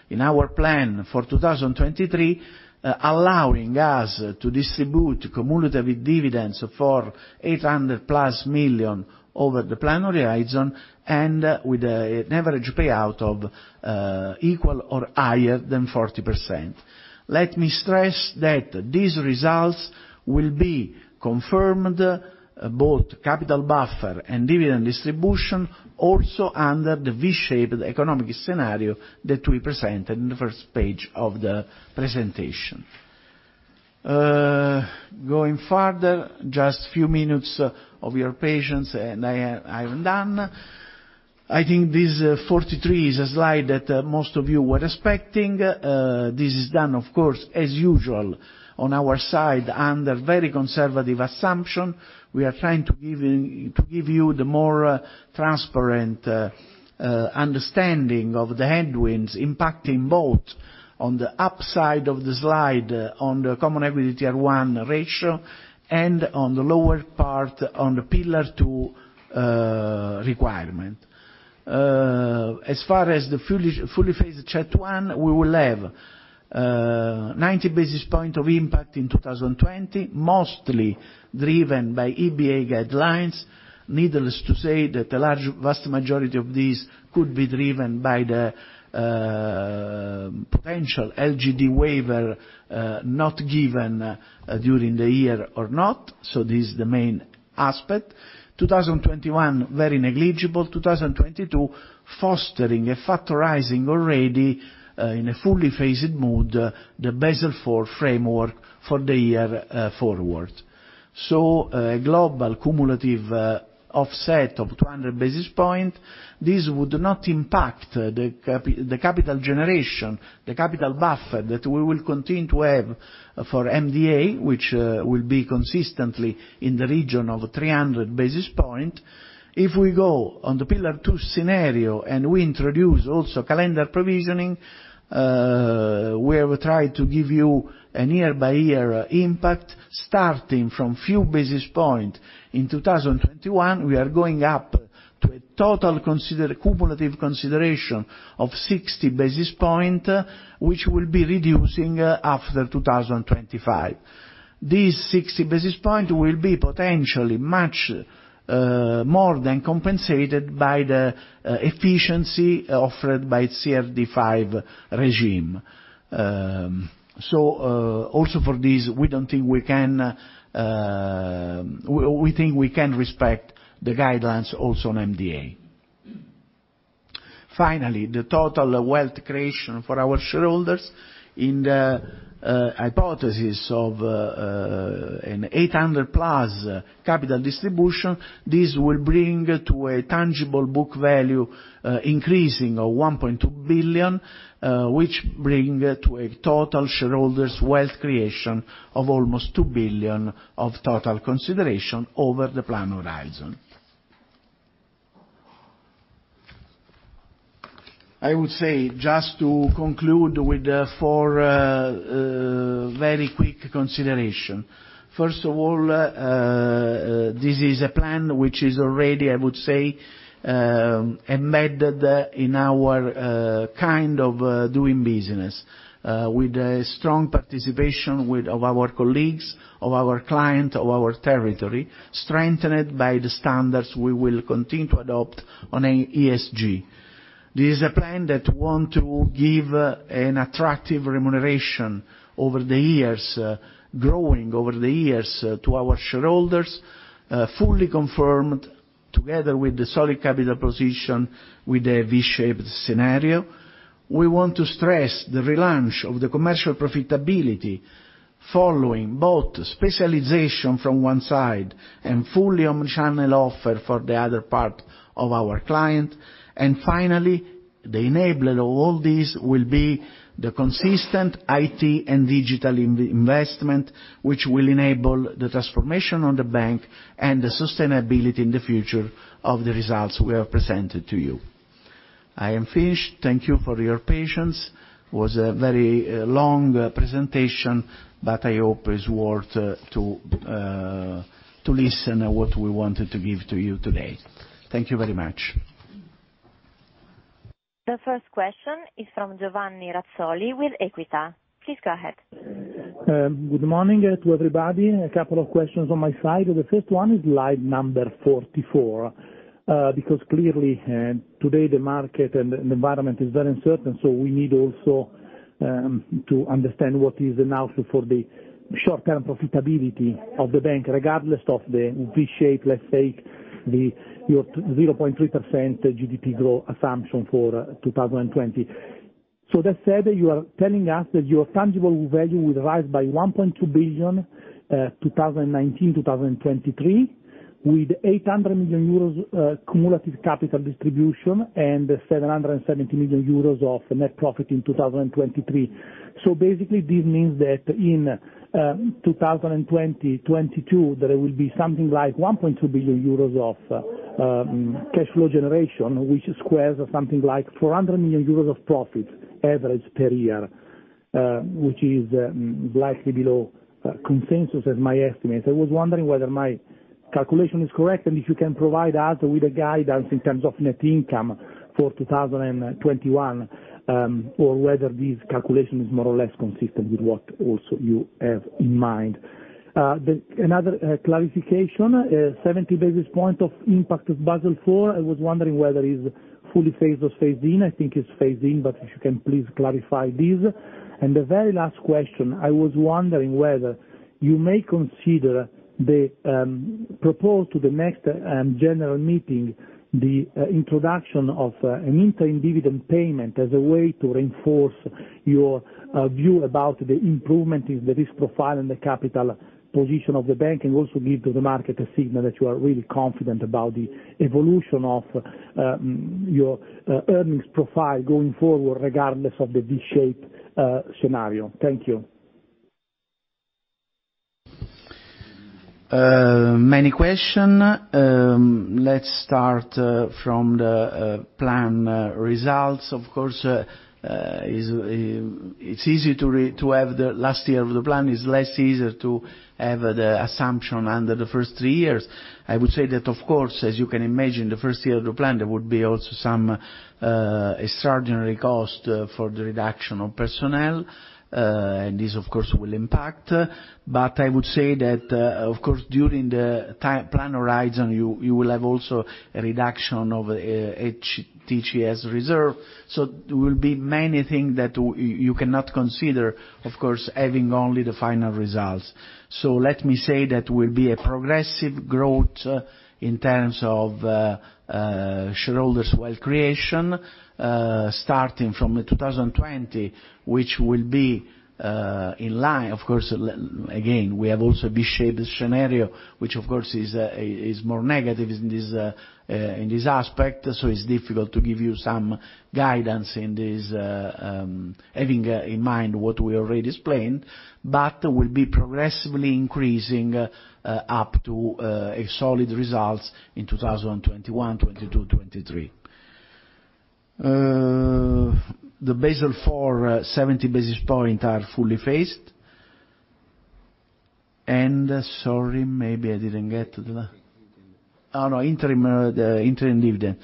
in our plan for 2023, allowing us to distribute cumulative dividends for 800 million+ over the plan horizon and with an average payout of equal or higher than 40%. Let me stress that these results will be confirmed, both capital buffer and dividend distribution, also under the V-shaped economic scenario that we presented in the first page of the presentation. Going further, just few minutes of your patience and I am done. I think this 43 is a slide that most of you were expecting. This is done, of course, as usual, on our side, under very conservative assumption. We are trying to give you the more transparent understanding of the headwinds impacting both on the upside of the slide, on the Common Equity Tier 1 ratio, and on the lower part, on the Pillar 2 requirement. As far as the fully phased CET1, we will have 90 basis point of impact in 2020, mostly driven by EBA guidelines. Needless to say that the vast majority of these could be driven by the potential LGD waiver not given during the year or not. This is the main aspect. 2021, very negligible. 2022, fostering and factorizing already, in a fully phased mood, the Basel IV framework for the year forward. Global cumulative offset of 200 basis point. This would not impact the capital generation, the capital buffer that we will continue to have for MDA, which will be consistently in the region of 300 basis point. If we go on the Pillar 2 scenario and we introduce also calendar provisioning, we have tried to give you an year-by-year impact. Starting from few basis point in 2021, we are going up to a total cumulative consideration of 60 basis point, which will be reducing after 2025. These 60 basis point will be potentially much more than compensated by the efficiency offered by CRD V regime. Also for this, we think we can respect the guidelines also on MDA. Finally, the total wealth creation for our shareholders. In the hypothesis of an 800+ capital distribution, this will bring to a tangible book value increasing of 1.2 billion, which bring to a total shareholders' wealth creation of almost 2 billion of total consideration over the plan horizon. I would say, just to conclude with four very quick consideration. First of all, this is a plan which is already, I would say, embedded in our kind of doing business, with a strong participation of our colleagues, of our client, of our territory, strengthened by the standards we will continue to adopt on ESG. This is a plan that want to give an attractive remuneration over the years, growing over the years to our shareholders, fully confirmed together with the solid capital position with the V-shaped scenario. We want to stress the relaunch of the commercial profitability, following both specialization from one side and fully omni-channel offer for the other part of our client. Finally, the enabler of all this will be the consistent IT and digital investment, which will enable the transformation on the bank and the sustainability in the future of the results we have presented to you. I am finished. Thank you for your patience. was a very long presentation, I hope it's worth to listen what we wanted to give to you today. Thank you very much. The first question is from Giovanni Razzoli with Equita. Please go ahead. Good morning to everybody. A couple of questions on my side. The first one is slide number 44. Because clearly, today the market and the environment is very uncertain, so we need also to understand what is the now for the short-term profitability of the bank, regardless of the V shape, let's say, your 0.3% GDP growth assumption for 2020. That said, you are telling us that your tangible value will rise by 1.2 billion 2019, 2023, with 800 million euros cumulative capital distribution and 770 million euros of net profit in 2023. Basically, this means that in 2020, 2022, there will be something like 1.2 billion euros of cash flow generation, which squares something like 400 million euros of profit average per year, which is likely below consensus as my estimate. I was wondering whether my calculation is correct and if you can provide us with guidance in terms of net income for 2021, or whether this calculation is more or less consistent with what also you have in mind. Another clarification, 70 basis points of impact of Basel IV. I was wondering whether it is fully phased or phased in. I think it is phased in, but if you can please clarify this. The very last question, I was wondering whether you may consider to propose to the next general meeting the introduction of an interim dividend payment as a way to reinforce your view about the improvement in the risk profile and the capital position of the bank, also give to the market a signal that you are really confident about the evolution of your earnings profile going forward, regardless of the V-shaped scenario. Thank you. Many question. Let's start from the plan results. Of course, it's easy to have the last year of the plan, it is less easy to have the assumption under the first three years. I would say that, of course, as you can imagine, the first year of the plan, there would be also some extraordinary cost for the reduction of personnel. This, of course, will impact. I would say that, during the plan horizon, you will have also a reduction of HTCS reserve. There will be many things that you cannot consider, of course, having only the final results. Let me say that there will be a progressive growth in terms of shareholders wealth creation, starting from 2020, which will be in line. Again, we have also a V-shaped scenario, which of course is more negative in this aspect. It's difficult to give you some guidance in this, having in mind what we already explained, but will be progressively increasing up to a solid results in 2021, 2022, 2023. The Basel IV, 70 basis points are fully phased. Sorry, maybe I didn't get to the interim dividend.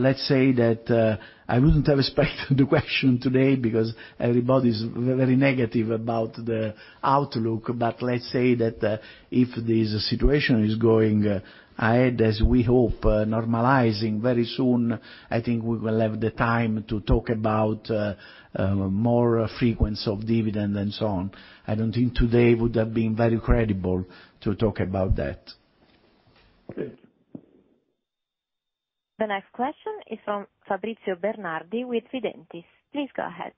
Let's say that I wouldn't have expected the question today because everybody's very negative about the outlook. Let's say that if this situation is going ahead, as we hope, normalizing very soon, I think we will have the time to talk about more frequency of dividend and so on. I don't think today would have been very credible to talk about that. Okay. The next question is from Fabrizio Bernardi with Fidentiis. Please go ahead.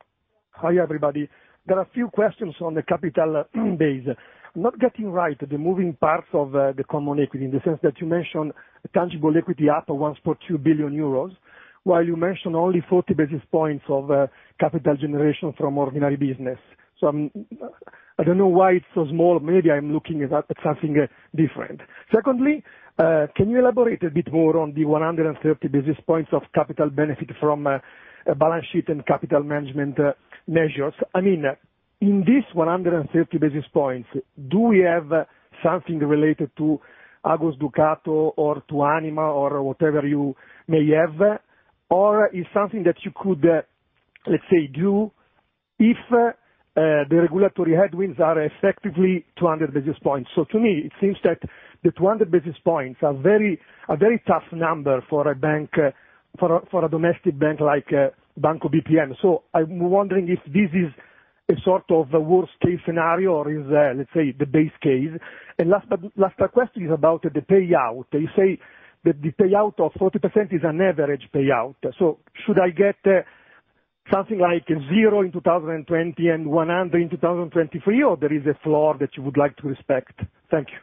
Hi, everybody. There are a few questions on the capital base. Not getting right the moving parts of the common equity, in the sense that you mentioned a tangible equity up of once for 2 billion euros, while you mentioned only 40 basis points of capital generation from ordinary business. I don't know why it's so small. Maybe I'm looking at something different. Secondly, can you elaborate a bit more on the 130 basis points of capital benefit from balance sheet and capital management measures? In this 130 basis points, do we have something related to Agos Ducato or to Anima or whatever you may have? Is something that you could, let's say, do if the regulatory headwinds are effectively 200 basis points? To me, it seems that the 200 basis points are a very tough number for a domestic bank like Banco BPM. I'm wondering if this is a sort of a worst case scenario or is, let's say, the base case. Last question is about the payout. You say that the payout of 40% is an average payout. Should I get something like zero in 2020 and 100 in 2023, or there is a floor that you would like to respect? Thank you.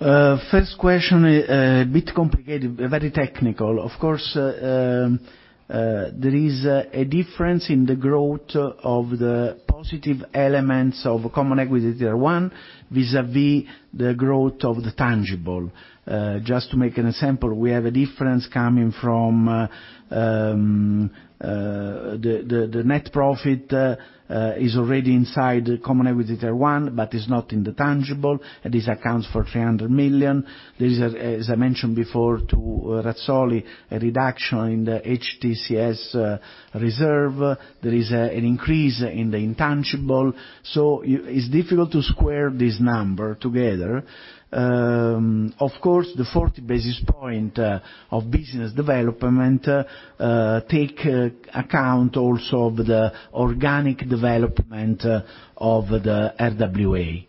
First question, a bit complicated, very technical. Of course, there is a difference in the growth of the positive elements of Common Equity Tier 1 vis-a-vis the growth of the tangible. Just to make an example, we have a difference coming from the net profit is already inside Common Equity Tier 1, but is not in the tangible, and this accounts for 300 million. There is, as I mentioned before to Razzoli, a reduction in the HTCS reserve. There is an increase in the intangible. It's difficult to square this number together. Of course, the 40 basis points of business development take account also of the organic development of the RWA.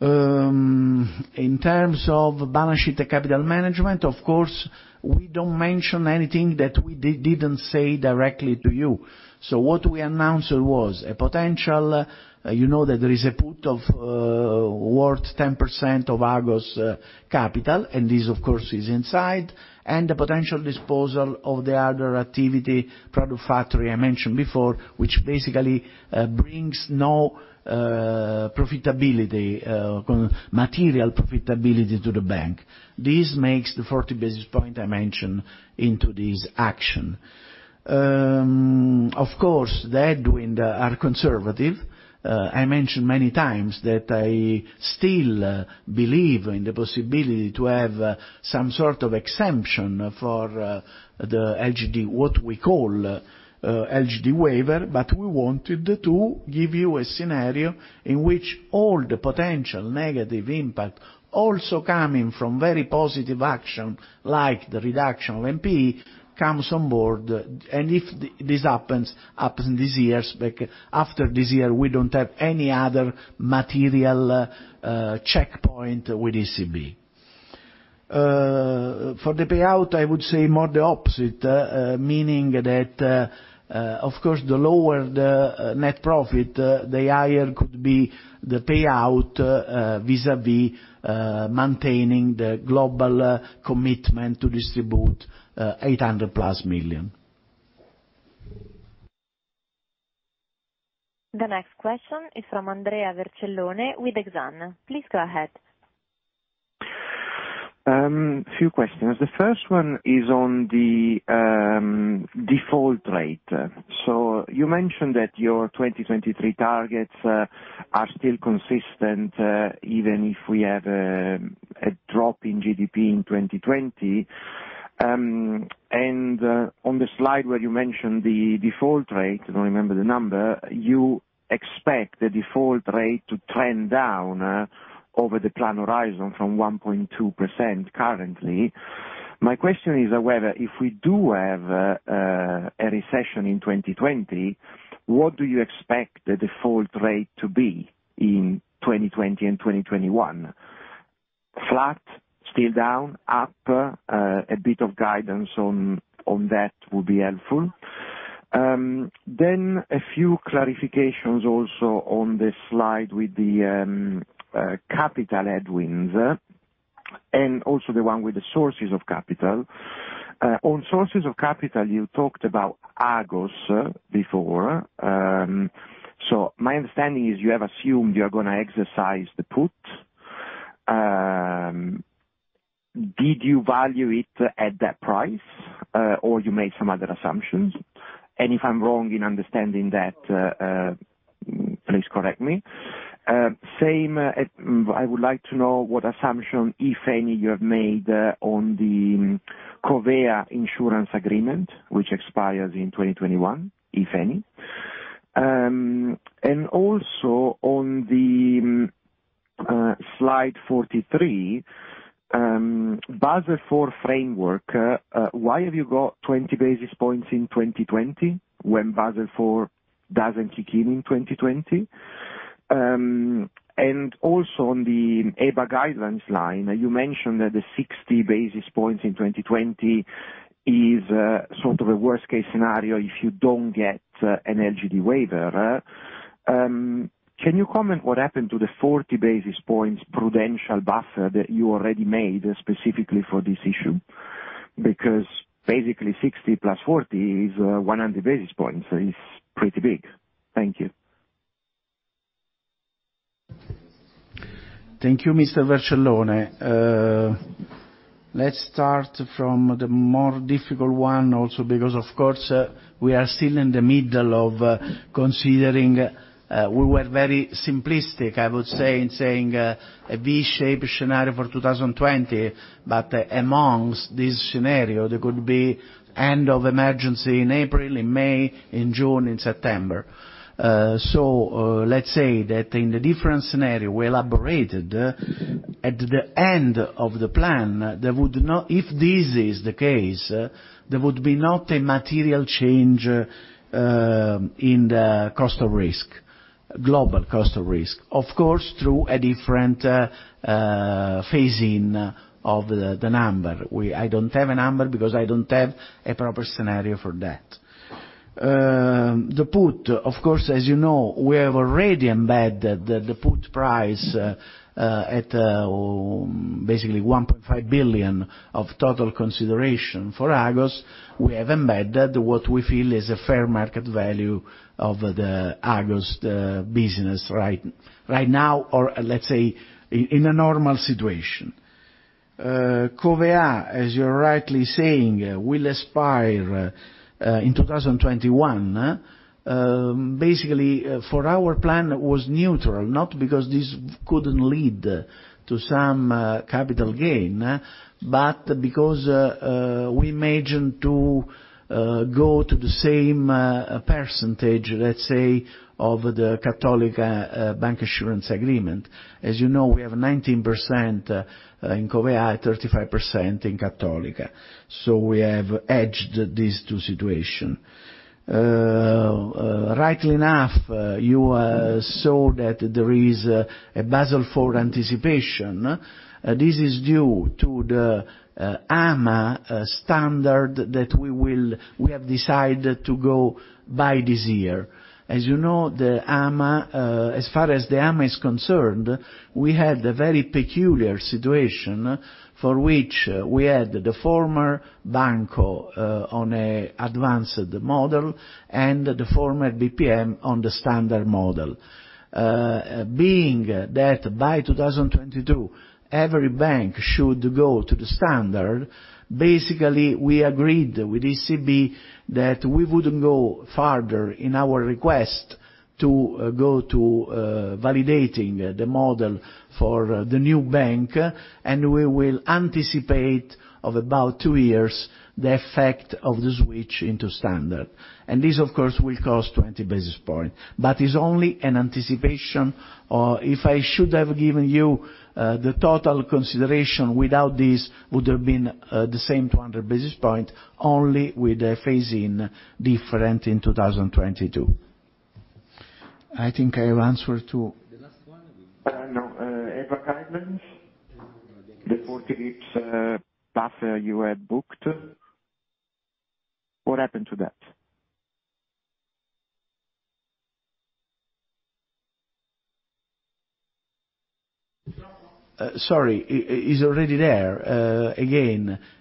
In terms of balance sheet capital management, of course, we don't mention anything that we didn't say directly to you. What we announced was a potential, you know that there is a put of worth 10% of Agos capital, and this of course is inside, and the potential disposal of the other activity, product factory I mentioned before, which basically brings no profitability, material profitability to the bank. This makes the 40 basis points I mentioned into this action. The headwinds are conservative. I mentioned many times that I still believe in the possibility to have some sort of exemption for what we call LGD waiver, but we wanted to give you a scenario in which all the potential negative impact, also coming from very positive action like the reduction of NPE comes on board. If this happens in these years back, after this year, we don't have any other material checkpoint with ECB. For the payout, I would say more the opposite, meaning that, of course, the lower the net profit, the higher could be the payout vis-a-vis maintaining the global commitment to distribute EUR 800 million+. The next question is from Andrea Vercellone with Exane. Please go ahead. A few questions. The first one is on the default rate. You mentioned that your 2023 targets are still consistent, even if we have a drop in GDP in 2020. On the slide where you mentioned the default rate, I don't remember the number, you expect the default rate to trend down over the plan horizon from 1.2% currently. My question is whether, if we do have a recession in 2020, what do you expect the default rate to be in 2020 and 2021? Flat, still down, up? A bit of guidance on that would be helpful. A few clarifications also on the slide with the capital headwinds, and also the one with the sources of capital. On sources of capital, you talked about Agos before. My understanding is you have assumed you are going to exercise the put. Did you value it at that price, or you made some other assumptions? If I'm wrong in understanding that, please correct me. Same, I would like to know what assumption, if any, you have made on the Covéa insurance agreement, which expires in 2021, if any. Also on the slide 43, Basel IV framework, why have you got 20 basis points in 2020 when Basel IV doesn't kick in in 2020? Also on the EBA guidelines line, you mentioned that the 60 basis points in 2020 is sort of a worst-case scenario if you don't get an LGD waiver. Can you comment what happened to the 40 basis points prudential buffer that you already made specifically for this issue? Basically 60 + 40 is 100 basis points, so it's pretty big. Thank you. Thank you, Mr. Vercellone. Let's start from the more difficult one, also because, of course, we are still in the middle of considering. We were very simplistic, I would say, in saying a V-shaped scenario for 2020. Amongst this scenario, there could be end of emergency in April, in May, in June, in September. Let's say that in the different scenario we elaborated, at the end of the plan, if this is the case, there would be not a material change in the cost of risk, global cost of risk. Of course, through a different phasing of the number. I don't have a number because I don't have a proper scenario for that. The put, of course, as you know, we have already embedded the put price at basically 1.5 billion of total consideration for Agos. We have embedded what we feel is a fair market value of the Agos business right now, or let's say, in a normal situation. Covéa, as you're rightly saying, will expire in 2021. For our plan, it was neutral, not because this couldn't lead to some capital gain, but because we imagine to go to the same percentage, let's say, of the Cattolica bank insurance agreement. As you know, we have 19% in Covéa, 35% in Cattolica. We have edged these two situation. Rightly enough, you saw that there is a Basel IV anticipation. This is due to the AMA standard that we have decided to go by this year. As you know, as far as the AMA is concerned, we had a very peculiar situation for which we had the former Banco on an advanced model and the former BPM on the standard model. By 2022, every bank should go to the standard, basically, we agreed with ECB that we wouldn't go further in our request to go to validating the model for the new bank, and we will anticipate of about 2 years the effect of the switch into standard. This, of course, will cost 20 basis points. It's only an anticipation. If I should have given you the total consideration without this, would have been the same 200 basis points, only with the phase in different in 2022. I think I have answered. The last one. No. EBA guidelines, the 40 basis points buffer you have booked, what happened to that? Sorry, is already there.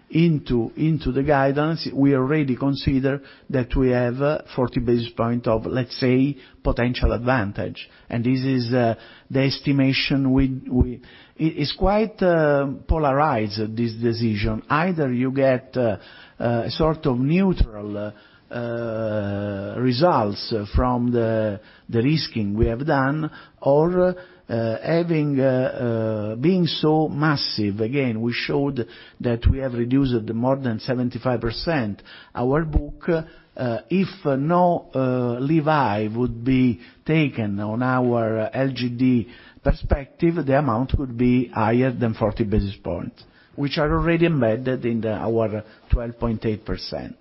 Into the guidance, we already consider that we have 40 basis points of, let's say, potential advantage. This is the estimation. It's quite polarized, this decision. Either you get neutral results from the risking we have done, or being so massive. We showed that we have reduced more than 75% our book. If no relief would be taken on our LGD perspective, the amount would be higher than 40 basis points, which are already embedded in our 12.8%.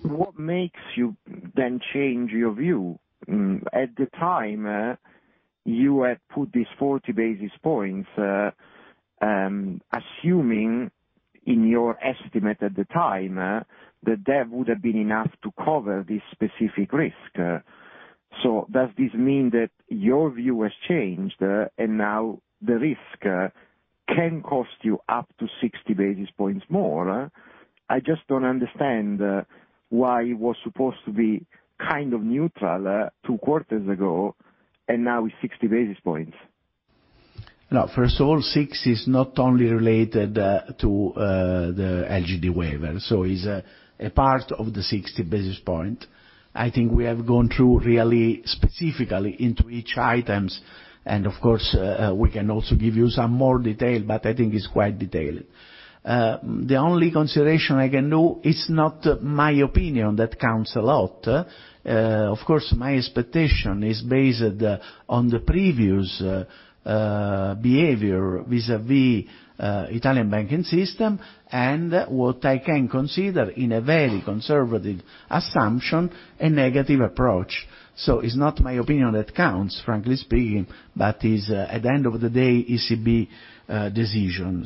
What makes you then change your view? At the time, you had put these 40 basis points, assuming in your estimate at the time, that would have been enough to cover this specific risk. Does this mean that your view has changed, and now the risk can cost you up to 60 basis points more? I just don't understand why it was supposed to be kind of neutral two quarters ago, and now it's 60 basis points. First of all, 60 is not only related to the LGD waiver, is a part of the 60 basis point. I think we have gone through really specifically into each items. Of course, we can also give you some more detail, I think it's quite detailed. The only consideration I can do. It's not my opinion that counts a lot. Of course, my expectation is based on the previous behavior vis-à-vis Italian banking system, what I can consider, in a very conservative assumption, a negative approach. It's not my opinion that counts, frankly speaking, but at the end of the day, ECB decision.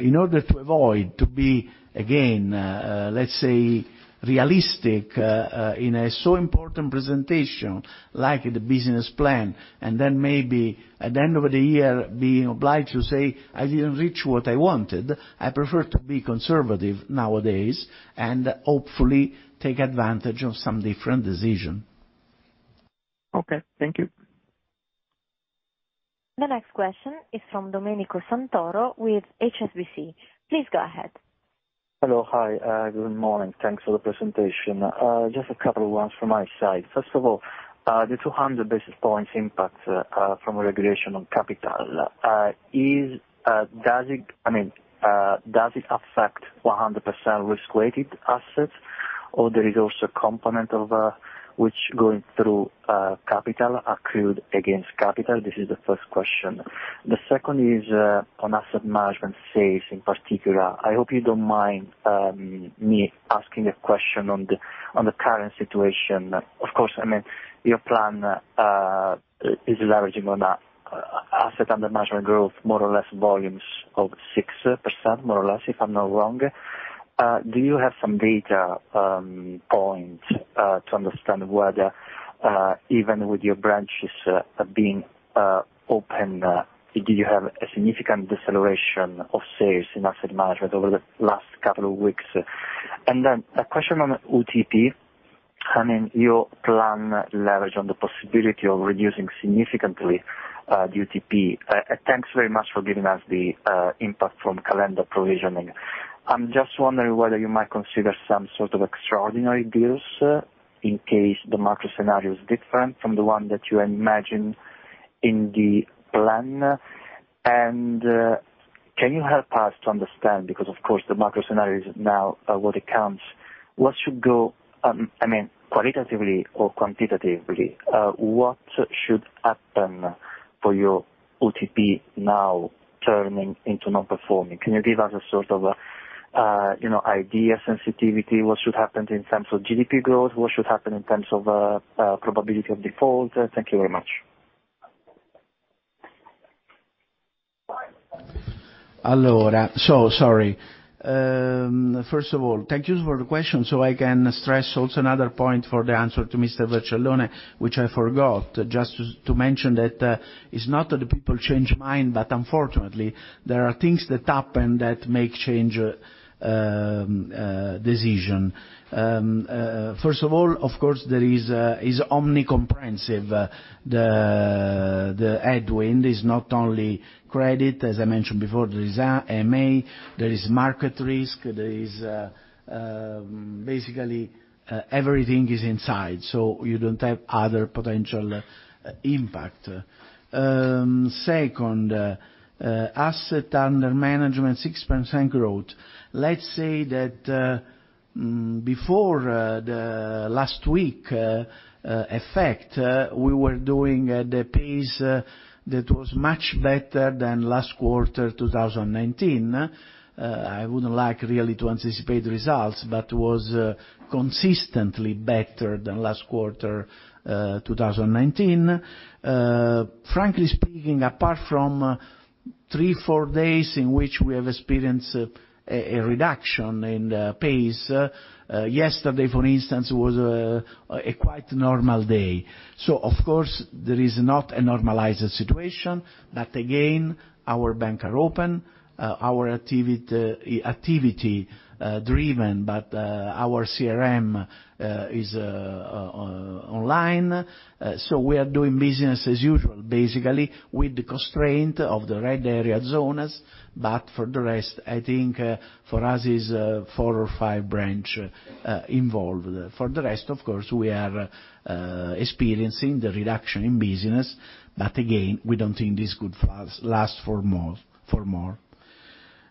In order to avoid to be, again, let's say, realistic in a so important presentation like the business plan, and then maybe at the end of the year, being obliged to say, "I didn't reach what I wanted," I prefer to be conservative nowadays, and hopefully, take advantage of some different decision. Okay, thank you. The next question is from Domenico Santoro with HSBC. Please go ahead. Hello. Hi, good morning. Thanks for the presentation. Just a couple of ones from my side. First of all, the 200 basis points impact from regulation on capital. Does it affect 100% risk-weighted assets or there is also a component of which going through capital accrued against capital? This is the first question. The second is on asset management sales in particular. I hope you don't mind me asking a question on the current situation. Of course, your plan is leveraging on asset under management growth, more or less volumes of 6%, more or less, if I'm not wrong. Do you have some data points to understand whether, even with your branches being open, do you have a significant deceleration of sales in asset management over the last couple of weeks? A question on UTP. Your plan leverage on the possibility of reducing significantly the UTP. Thanks very much for giving us the impact from calendar provisioning. I'm just wondering whether you might consider some sort of extraordinary deals in case the macro scenario is different from the one that you imagine in the plan. Can you help us to understand, because of course the macro scenario is now what it counts. Qualitatively or quantitatively, what should happen for your UTP now turning into non-performing? Can you give us a sort of idea, sensitivity, what should happen in terms of GDP growth, what should happen in terms of probability of default? Thank you very much. Sorry. First of all, thank you for the question. I can stress also another point for the answer to Mr. Vercellone, which I forgot, just to mention that it's not that the people change mind, but unfortunately, there are things that happen that may change decision. First of all, of course, there is omnicomprehensive. The headwind is not only credit, as I mentioned before. There is M&A, there is market risk. Basically, everything is inside, so you don't have other potential impact. Second, asset under management, 6% growth. Let's say that before the last week effect, we were doing at a pace that was much better than last quarter 2019. I wouldn't like really to anticipate the results, but was consistently better than last quarter 2019. Frankly speaking, apart from Three, four days in which we have experienced a reduction in the pace. Yesterday, for instance, was a quite normal day. Of course, there is not a normalized situation, but again, our bank are open, our activity driven, but our CRM is online. We are doing business as usual, basically, with the constraint of the red area zones. For the rest, I think for us is four or five branch involved. For the rest, of course, we are experiencing the reduction in business. Again, we don't think this could last for more.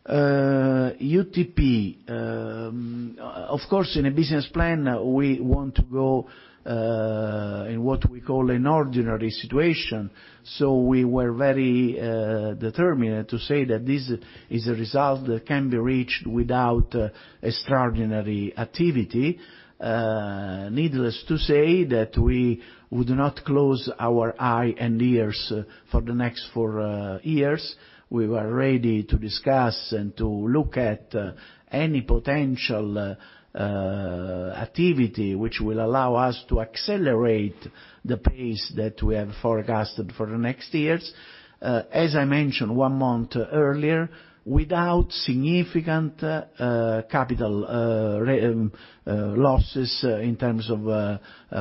UTP. Of course, in a business plan, we want to go in what we call an ordinary situation. We were very determined to say that this is a result that can be reached without extraordinary activity. Needless to say that we would not close our eye and ears for the next four years. We were ready to discuss and to look at any potential activity which will allow us to accelerate the pace that we have forecasted for the next years. As I mentioned one month earlier, without significant capital losses in terms of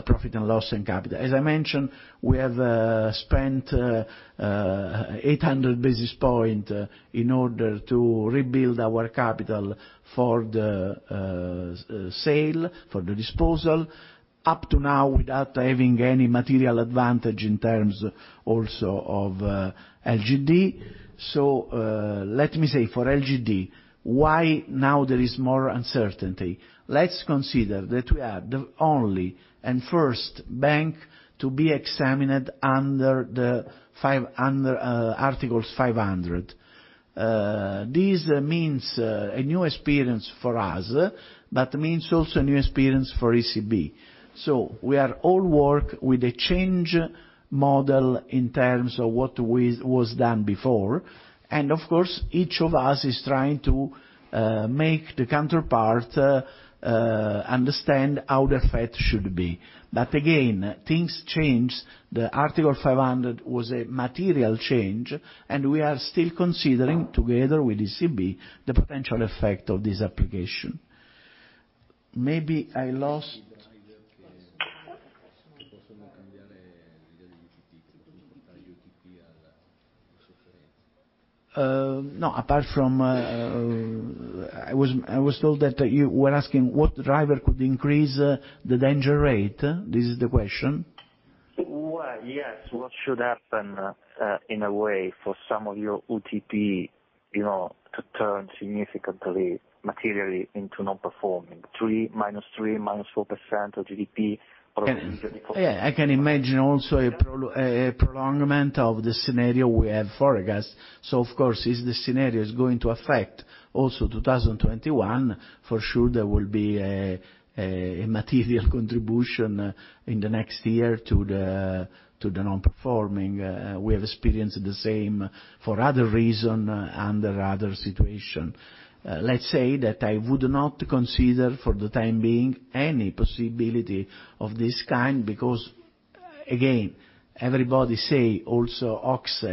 profit and loss and capital. As I mentioned, we have spent 800 basis points in order to rebuild our capital for the sale, for the disposal. Up to now, without having any material advantage in terms also of LGD. Let me say for LGD, why now there is more uncertainty. Let's consider that we are the only and first bank to be examined under Article 500. This means a new experience for us, but means also a new experience for ECB. We are all work with a change model in terms of what was done before. Of course, each of us is trying to make the counterpart understand how the effect should be. Again, things change. The Article 500 was a material change, and we are still considering, together with ECB, the potential effect of this application. Maybe I lost. No, apart from I was told that you were asking what driver could increase the default rate. This is the question? Well, yes. What should happen, in a way, for some of your UTP, to turn significantly materially into non-performing, -3% -4% of GDP. Yeah, I can imagine also a prolongment of the scenario we have forecast. Of course, if the scenario is going to affect also 2021, for sure there will be a material contribution in the next year to the non-performing. We have experienced the same for other reason under other situation. Let's say that I would not consider, for the time being, any possibility of this kind because, again, everybody say also Ox,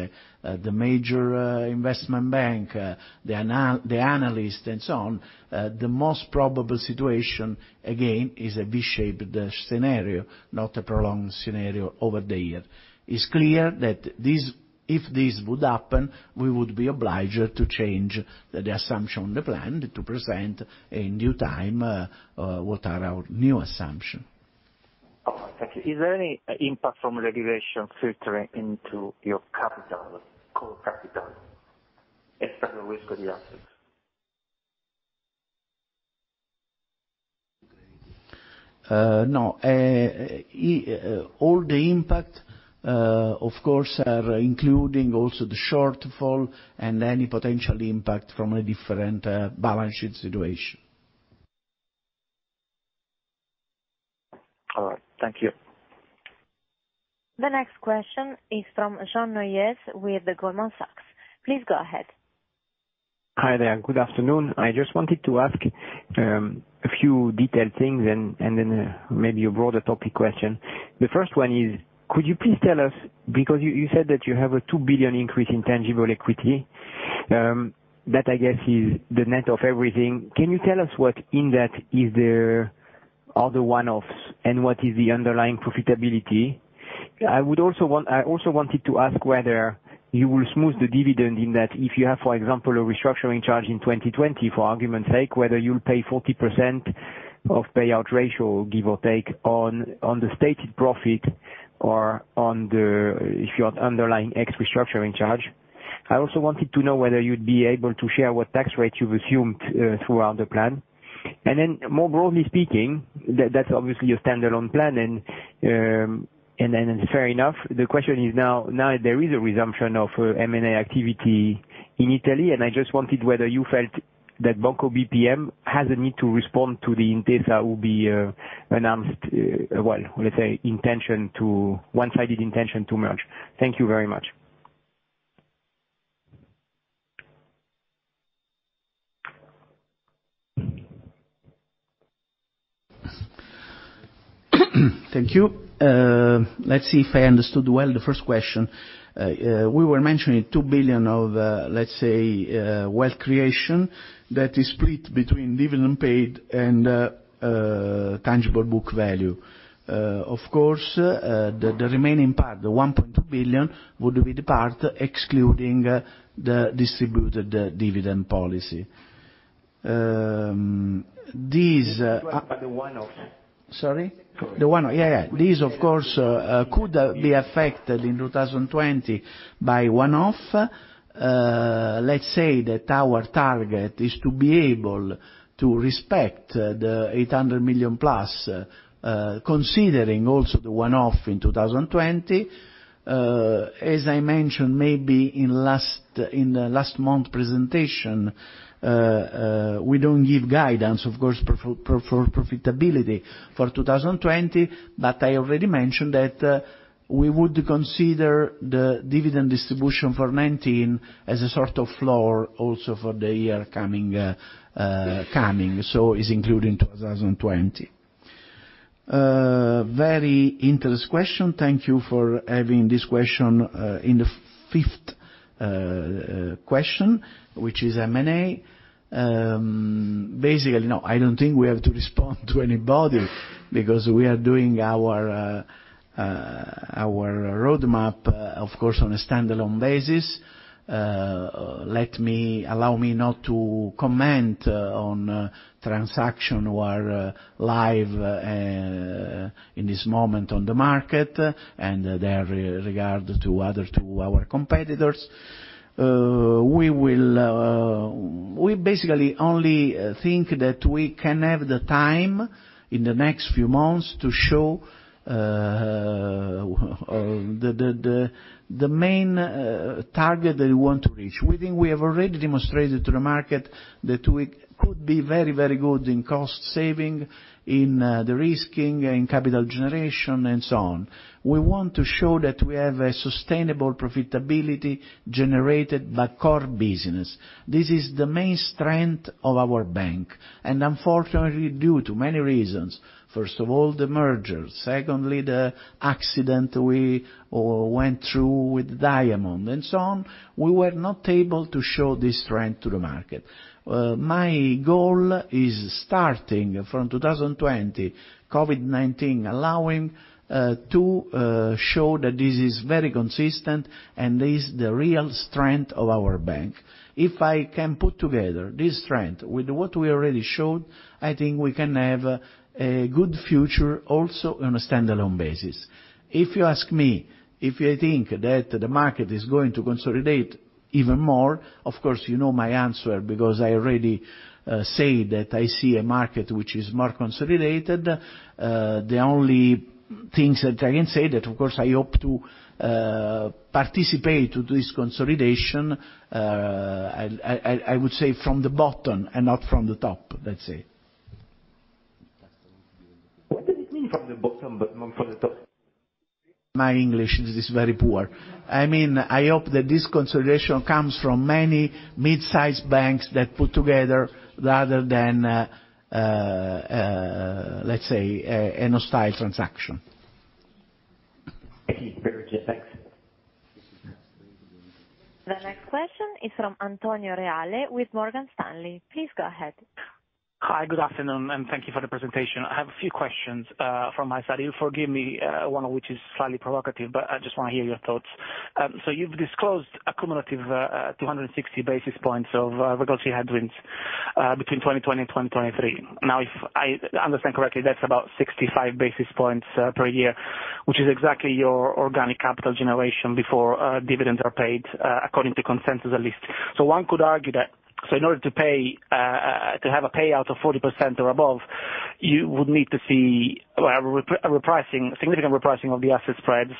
the major investment bank, the analyst and so on, the most probable situation again is a V-shaped scenario, not a prolonged scenario over the year. It's clear that if this would happen, we would be obliged to change the assumption on the plan to present in due time what are our new assumption. All right, thank you. Is there any impact from litigation filtering into your capital, core capital, external risk or the assets? No. All the impact, of course, are including also the shortfall and any potential impact from a different balance sheet situation. All right. Thank you. The next question is from Jean-Yves Coupin with Goldman Sachs. Please go ahead. Hi there. Good afternoon. I just wanted to ask a few detailed things, then maybe a broader topic question. The first one is, could you please tell us, because you said that you have a 2 billion increase in tangible equity, that I guess is the net of everything. Can you tell us what in that is there other one-offs, and what is the underlying profitability? I also wanted to ask whether you will smooth the dividend in that if you have, for example, a restructuring charge in 2020, for argument's sake, whether you'll pay 40% of payout ratio, give or take, on the stated profit or if you have underlying x restructuring charge. I also wanted to know whether you'd be able to share what tax rate you've assumed throughout the plan. More broadly speaking, that's obviously a standalone plan, and fair enough. The question is now, there is a resumption of M&A activity in Italy, and I just wondered whether you felt that Banco BPM has a need to respond to the Intesa will be announced, well, let's say, one-sided intention to merge. Thank you very much. Thank you. Let's see if I understood well the first question. We were mentioning 2 billion of, let's say, wealth creation that is split between dividend paid and tangible book value. Of course, the remaining part, the 1.2 billion, would be the part excluding the distributed dividend policy. The one-off. Sorry? The one-off. These, of course, could be affected in 2020 by one-off. Let's say that our target is to be able to respect the 800 million+, considering also the one-off in 2020. As I mentioned maybe in the last month presentation, we don't give guidance, of course, for profitability for 2020. I already mentioned that we would consider the dividend distribution for 2019 as a sort of floor also for the year coming, so is including 2020. Very interesting question. Thank you for having this question. In the five question, which is M&A. Basically, no, I don't think we have to respond to anybody because we are doing our roadmap, of course, on a standalone basis. Allow me not to comment on transaction that are live in this moment on the market, and they are regard to our competitors. We basically only think that we can have the time in the next few months to show the main target that we want to reach. We think we have already demonstrated to the market that we could be very good in cost saving, in de-risking, in capital generation, and so on. We want to show that we have a sustainable profitability generated by core business. This is the main strength of our bank, and unfortunately, due to many reasons, first of all, the merger, secondly, the accident we went through with Diamond, and so on, we were not able to show this strength to the market. My goal is starting from 2020, COVID-19 allowing, to show that this is very consistent and is the real strength of our bank. If I can put together this strength with what we already showed, I think we can have a good future also on a standalone basis. If you ask me if I think that the market is going to consolidate even more, of course, you know my answer because I already say that I see a market which is more consolidated. The only things that I can say that, of course, I hope to participate to this consolidation, I would say from the bottom and not from the top, let's say. What did you mean from the bottom but not from the top? My English is very poor. I mean, I hope that this consolidation comes from many mid-size banks that put together rather than, let's say, a hostile transaction. Thank you. You're very welcome. Thanks. The next question is from Antonio Reale with Morgan Stanley. Please go ahead. Hi. Good afternoon, thank you for the presentation. I have a few questions from my side. You forgive me, one of which is slightly provocative, but I just want to hear your thoughts. You've disclosed a cumulative 260 basis points of regulatory headwinds between 2020 and 2023. Now, if I understand correctly, that's about 65 basis points per year, which is exactly your organic capital generation before dividends are paid, according to consensus, at least. One could argue that in order to have a payout of 40% or above, you would need to see a significant repricing of the asset spreads,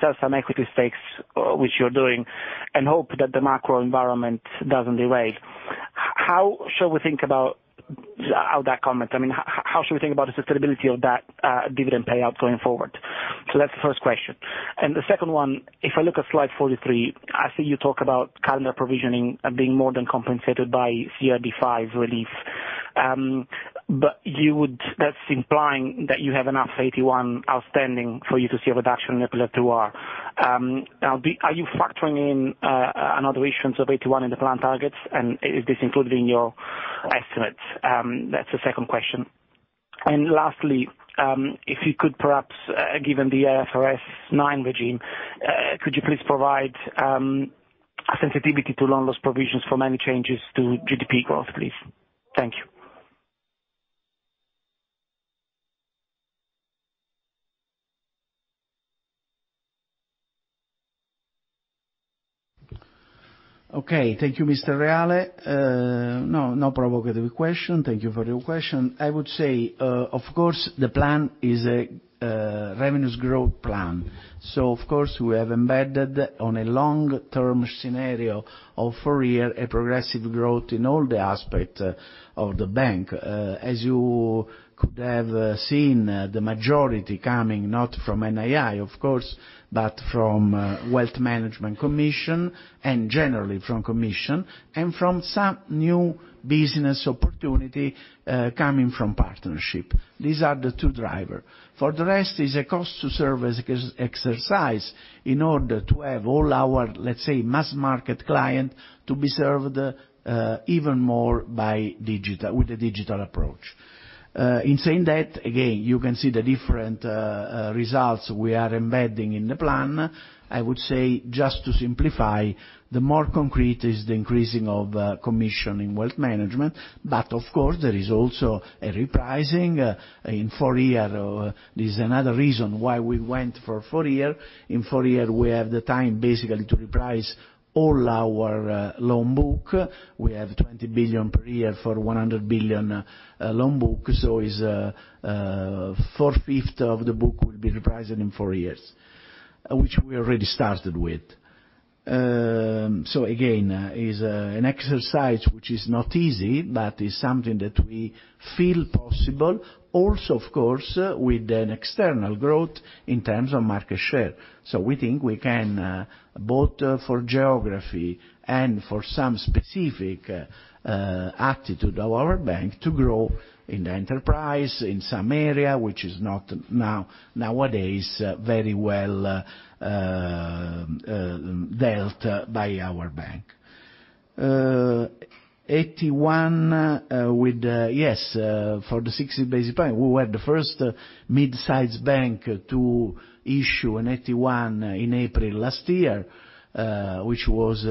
sell some equity stakes, which you're doing, and hope that the macro environment doesn't delay. How shall we think about that comment? I mean, how should we think about the sustainability of that dividend payout going forward? That's the first question. The second one, if I look at slide 43, I see you talk about calendar provisioning being more than compensated by CRD V relief. That's implying that you have enough AT1 outstanding for you to see a reduction in MREL P2R. Are you factoring in another issuance of AT1 in the plan targets, and is this included in your estimates? That's the second question. Lastly, if you could perhaps, given the IFRS 9 regime, could you please provide a sensitivity to loan loss provisions from any changes to GDP growth, please? Thank you. Okay. Thank you, Mr. Reale. No provocative question. Thank you for your question. I would say, of course, the plan is a revenues growth plan. Of course, we have embedded on a long-term scenario of four years, a progressive growth in all the aspects of the bank. As you could have seen, the majority coming not from NII, of course, but from wealth management commission, and generally from commission, and from some new business opportunity coming from partnership. These are the two driver. For the rest, is a cost to serve as exercise in order to have all our, let's say, mass market client to be served even more with the digital approach. In saying that, again, you can see the different results we are embedding in the plan. I would say, just to simplify, the more concrete is the increasing of commission in wealth management. Of course, there is also a repricing in four year. This is another reason why we went for four year. In four year, we have the time basically to reprice all our loan book. We have 20 billion per year for 100 billion loan book. Is four-fifth of the book will be repriced in four years, which we already started with. Again, is an exercise which is not easy, but is something that we feel possible. Also, of course, with an external growth in terms of market share. We think we can, both for geography and for some specific attitude of our bank, to grow in the enterprise, in some area, which is not nowadays very well dealt by our bank. AT1, yes, for the 60 basis point, we were the first midsize bank to issue an AT1 in April last year, which was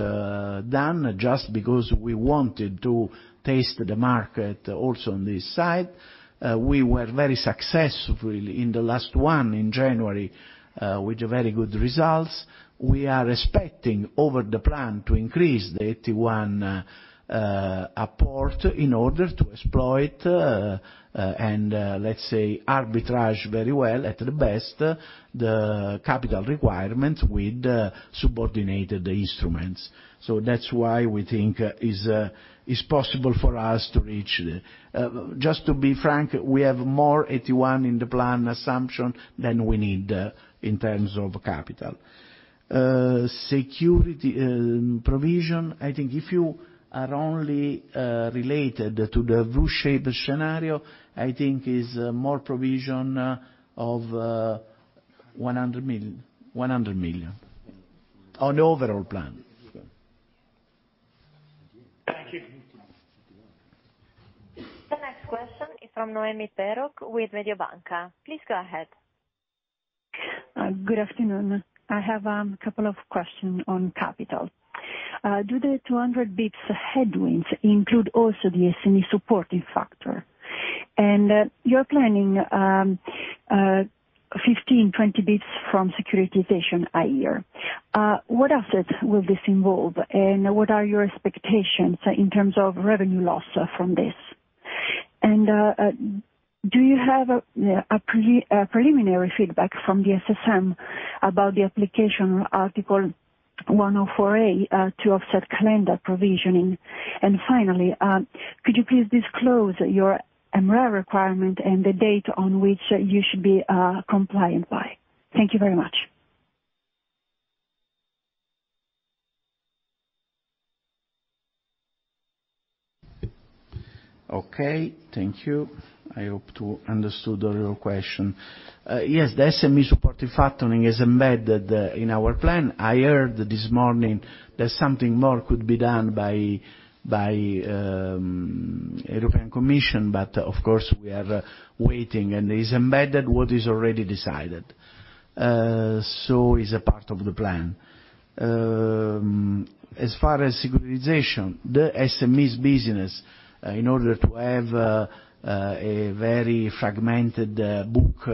done just because we wanted to test the market also on this side. We were very successful in the last one in January, with very good results. We are expecting over the plan to increase the AT1 apport in order to exploit, and let's say, arbitrage very well at the best, the capital requirement with subordinated instruments. That's why we think it's possible for us to reach. Just to be frank, we have more AT1 in the plan assumption than we need in terms of capital. Security provision, I think if you are only related to the V-shaped scenario, I think is more provision of 100 million on the overall plan. Thank you. The next question is from Noemi Peruch with Mediobanca. Please go ahead. Good afternoon. I have a couple of questions on capital. Do the 200 basis points headwinds include also the SME supporting factor? You're planning 15-20 basis points from securitization a year. What assets will this involve, and what are your expectations in terms of revenue loss from this? Do you have a preliminary feedback from the SSM about the application Article 104a to offset calendar provisioning? Finally, could you please disclose your MREL requirement and the date on which you should be compliant by? Thank you very much. Okay. Thank you. I hope to understood your question. Yes, the SME supporting factor is embedded in our plan. I heard this morning that something more could be done by European Commission, but of course, we are waiting, and is embedded what is already decided. It is a part of the plan. As far as securitization, the SME business, in order to have a very fragmented book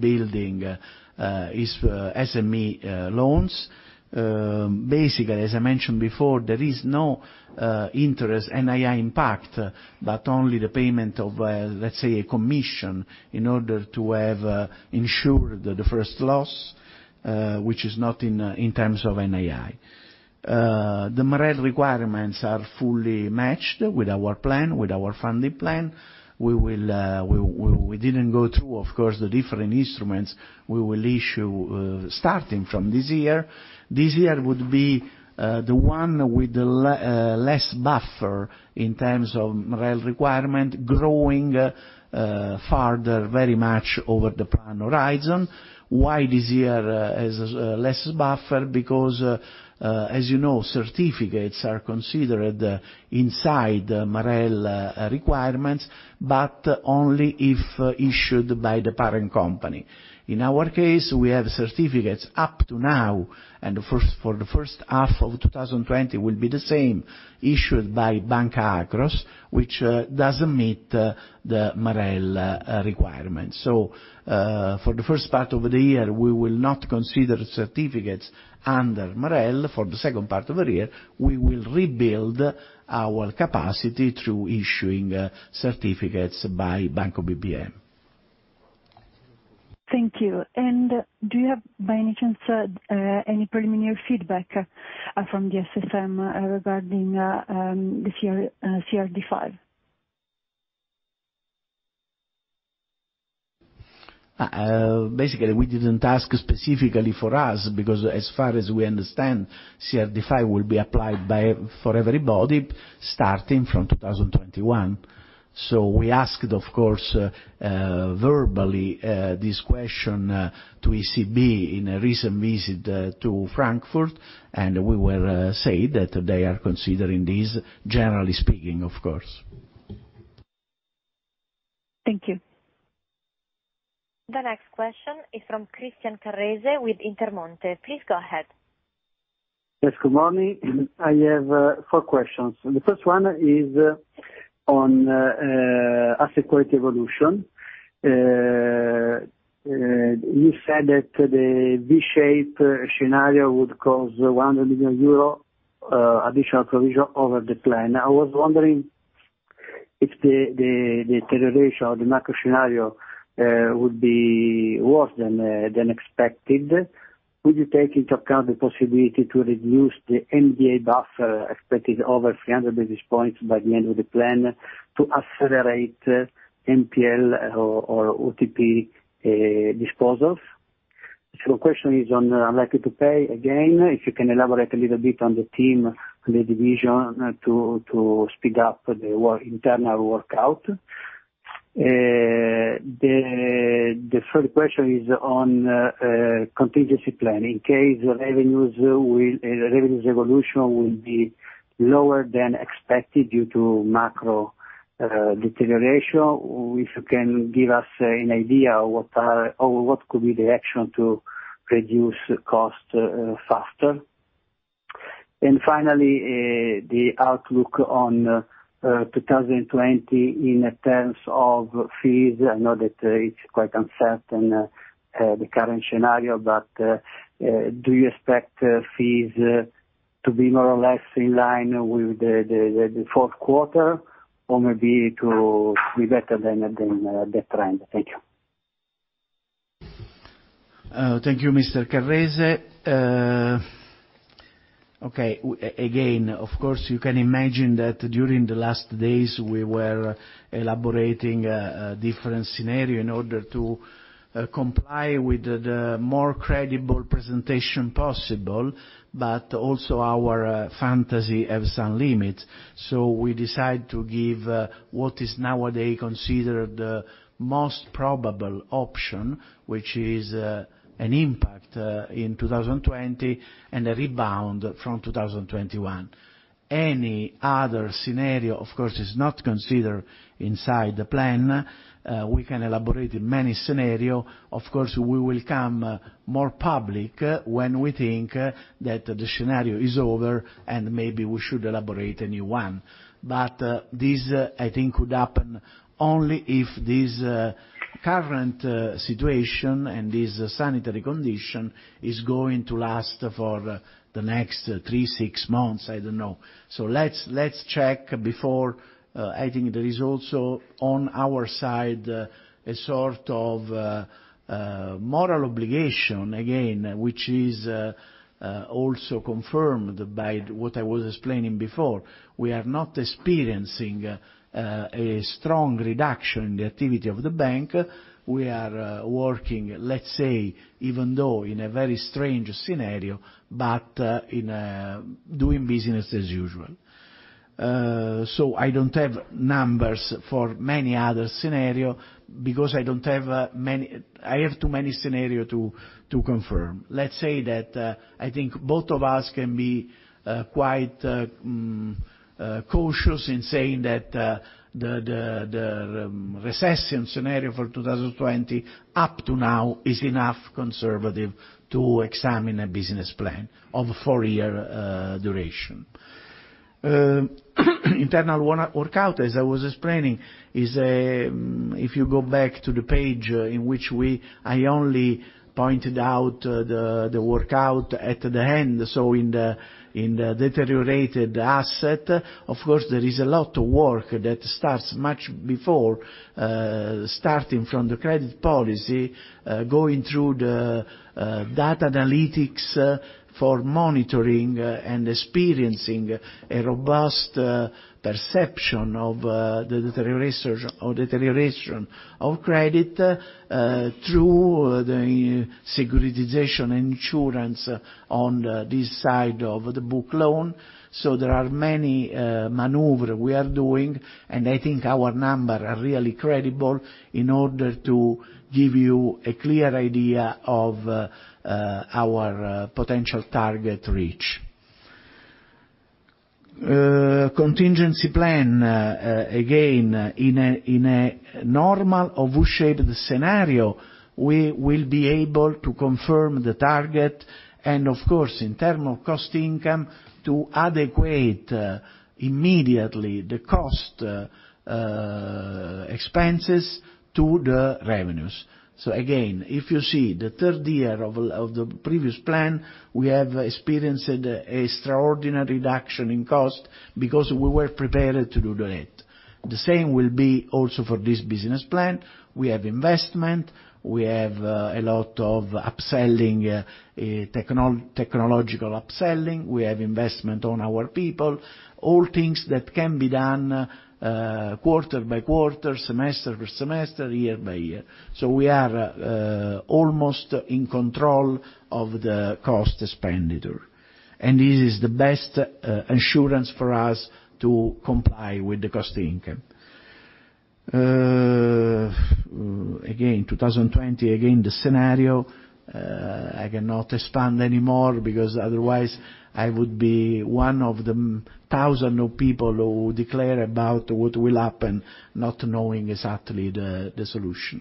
building, is SME loans. Basically, as I mentioned before, there is no interest NII impact, but only the payment of, let's say, a commission in order to have ensured the first loss, which is not in terms of NII. The MREL requirements are fully matched with our plan, with our funding plan. We didn't go through, of course, the different instruments we will issue, starting from this year. This year would be the one with the less buffer in terms of MREL requirement, growing farther very much over the plan horizon. Why this year has less buffer? As you know, certificates are considered inside MREL requirements, but only if issued by the parent company. In our case, we have certificates up to now, and for the first half of 2020 will be the same issued by Banca Akros, which doesn't meet the MREL requirements. For the first part of the year, we will not consider certificates under MREL. For the second part of the year, we will rebuild our capacity through issuing certificates by Banco BPM. Thank you. Do you have, by any chance, any preliminary feedback from the SSM regarding the CRD V? Basically, we didn't ask specifically for us because as far as we understand, CRD V will be applied for everybody starting from 2021. We asked, of course, verbally, this question to ECB in a recent visit to Frankfurt, and we were said that they are considering this, generally speaking, of course. Thank you. The next question is from Christian Carrese with Intermonte. Please go ahead. Yes, good morning. I have four questions. The first one is on asset quality evolution. You said that the V-shaped scenario would cause 100 million euro additional provision over the plan. I was wondering if the deterioration of the macro scenario would be worse than expected. Would you take into account the possibility to reduce the MDA buffer expected over 300 basis points by the end of the plan to accelerate NPL or UTP disposals? Second question is on unlikely to pay. Again, if you can elaborate a little bit on the team, on the division to speed up the internal workout. The third question is on contingency plan, in case revenues evolution will be lower than expected due to macro deterioration, if you can give us an idea what could be the action to reduce cost faster. Finally, the outlook on 2020 in terms of fees. I know that it's quite uncertain, the current scenario, but do you expect fees to be more or less in line with the fourth quarter? Maybe to be better than that trend? Thank you. Thank you, Mr. Carrese. Of course, you can imagine that during the last days, we were elaborating a different scenario in order to comply with the more credible presentation possible, but also our fantasy have some limits. We decide to give what is nowadays considered the most probable option, which is an impact in 2020 and a rebound from 2021. Any other scenario, of course, is not considered inside the plan. We can elaborate many scenario. Of course, we will come more public when we think that the scenario is over, and maybe we should elaborate a new one. This could happen only if this current situation and this sanitary condition is going to last for the next three, six months, I don't know. Let's check before. I think there is also, on our side, a sort of moral obligation, again, which is also confirmed by what I was explaining before. We are not experiencing a strong reduction in the activity of the bank. We are working, let's say, even though in a very strange scenario, but doing business as usual. I don't have numbers for many other scenario because I have too many scenario to confirm. Let's say that I think both of us can be quite cautious in saying that the recession scenario for 2020 up to now is enough conservative to examine a business plan of four-year duration. Internal workout, as I was explaining, if you go back to the page in which I only pointed out the workout at the end, so in the deteriorated asset, of course, there is a lot of work that starts much before, starting from the credit policy, going through the data analytics for monitoring and experiencing a robust perception of the deterioration of credit, through the securitization insurance on this side of the book loan. There are many maneuvers we are doing, and I think our numbers are really credible in order to give you a clear idea of our potential target reach. Contingency plan, again, in a normal or U-shaped scenario, we will be able to confirm the target, and of course, in terms of cost income, to adequate immediately the cost expenses to the revenues. Again, if you see the third year of the previous plan, we have experienced extraordinary reduction in cost, because we were prepared to do that. The same will be also for this business plan. We have investment, we have a lot of technological upselling, we have investment on our people, all things that can be done quarter by quarter, semester by semester, year by year. We are almost in control of the cost expenditure. This is the best insurance for us to comply with the cost income. Again, 2020, again, the scenario, I cannot expand anymore because otherwise I would be one of the thousand of people who declare about what will happen, not knowing exactly the solution.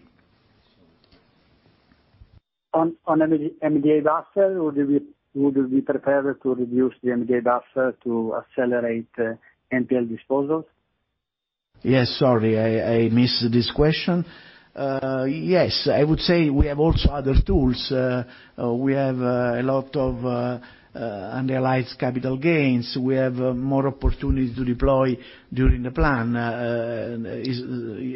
On MDA buffer, would you be prepared to reduce the MDA buffer to accelerate NPL disposals? Yes, sorry, I missed this question. Yes, I would say we have also other tools. We have a lot of unrealized capital gains. We have more opportunities to deploy during the plan.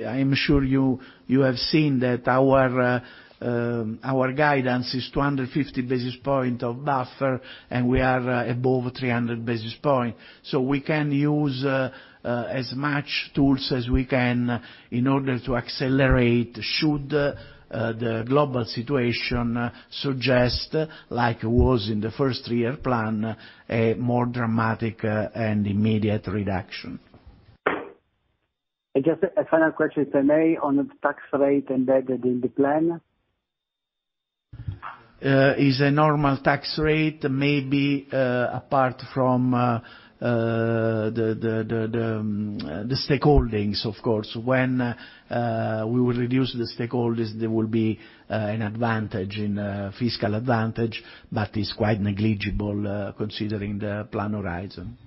I'm sure you have seen that our guidance is 250 basis points of buffer, and we are above 300 basis points. We can use as much tools as we can in order to accelerate, should the global situation suggest, like it was in the first-year plan, a more dramatic and immediate reduction. Just a final question, if I may, on the tax rate embedded in the plan. Is a normal tax rate, maybe apart from the stakeholdings, of course. When we will reduce the stakeholdings, there will be a fiscal advantage, but it's quite negligible considering the plan horizon.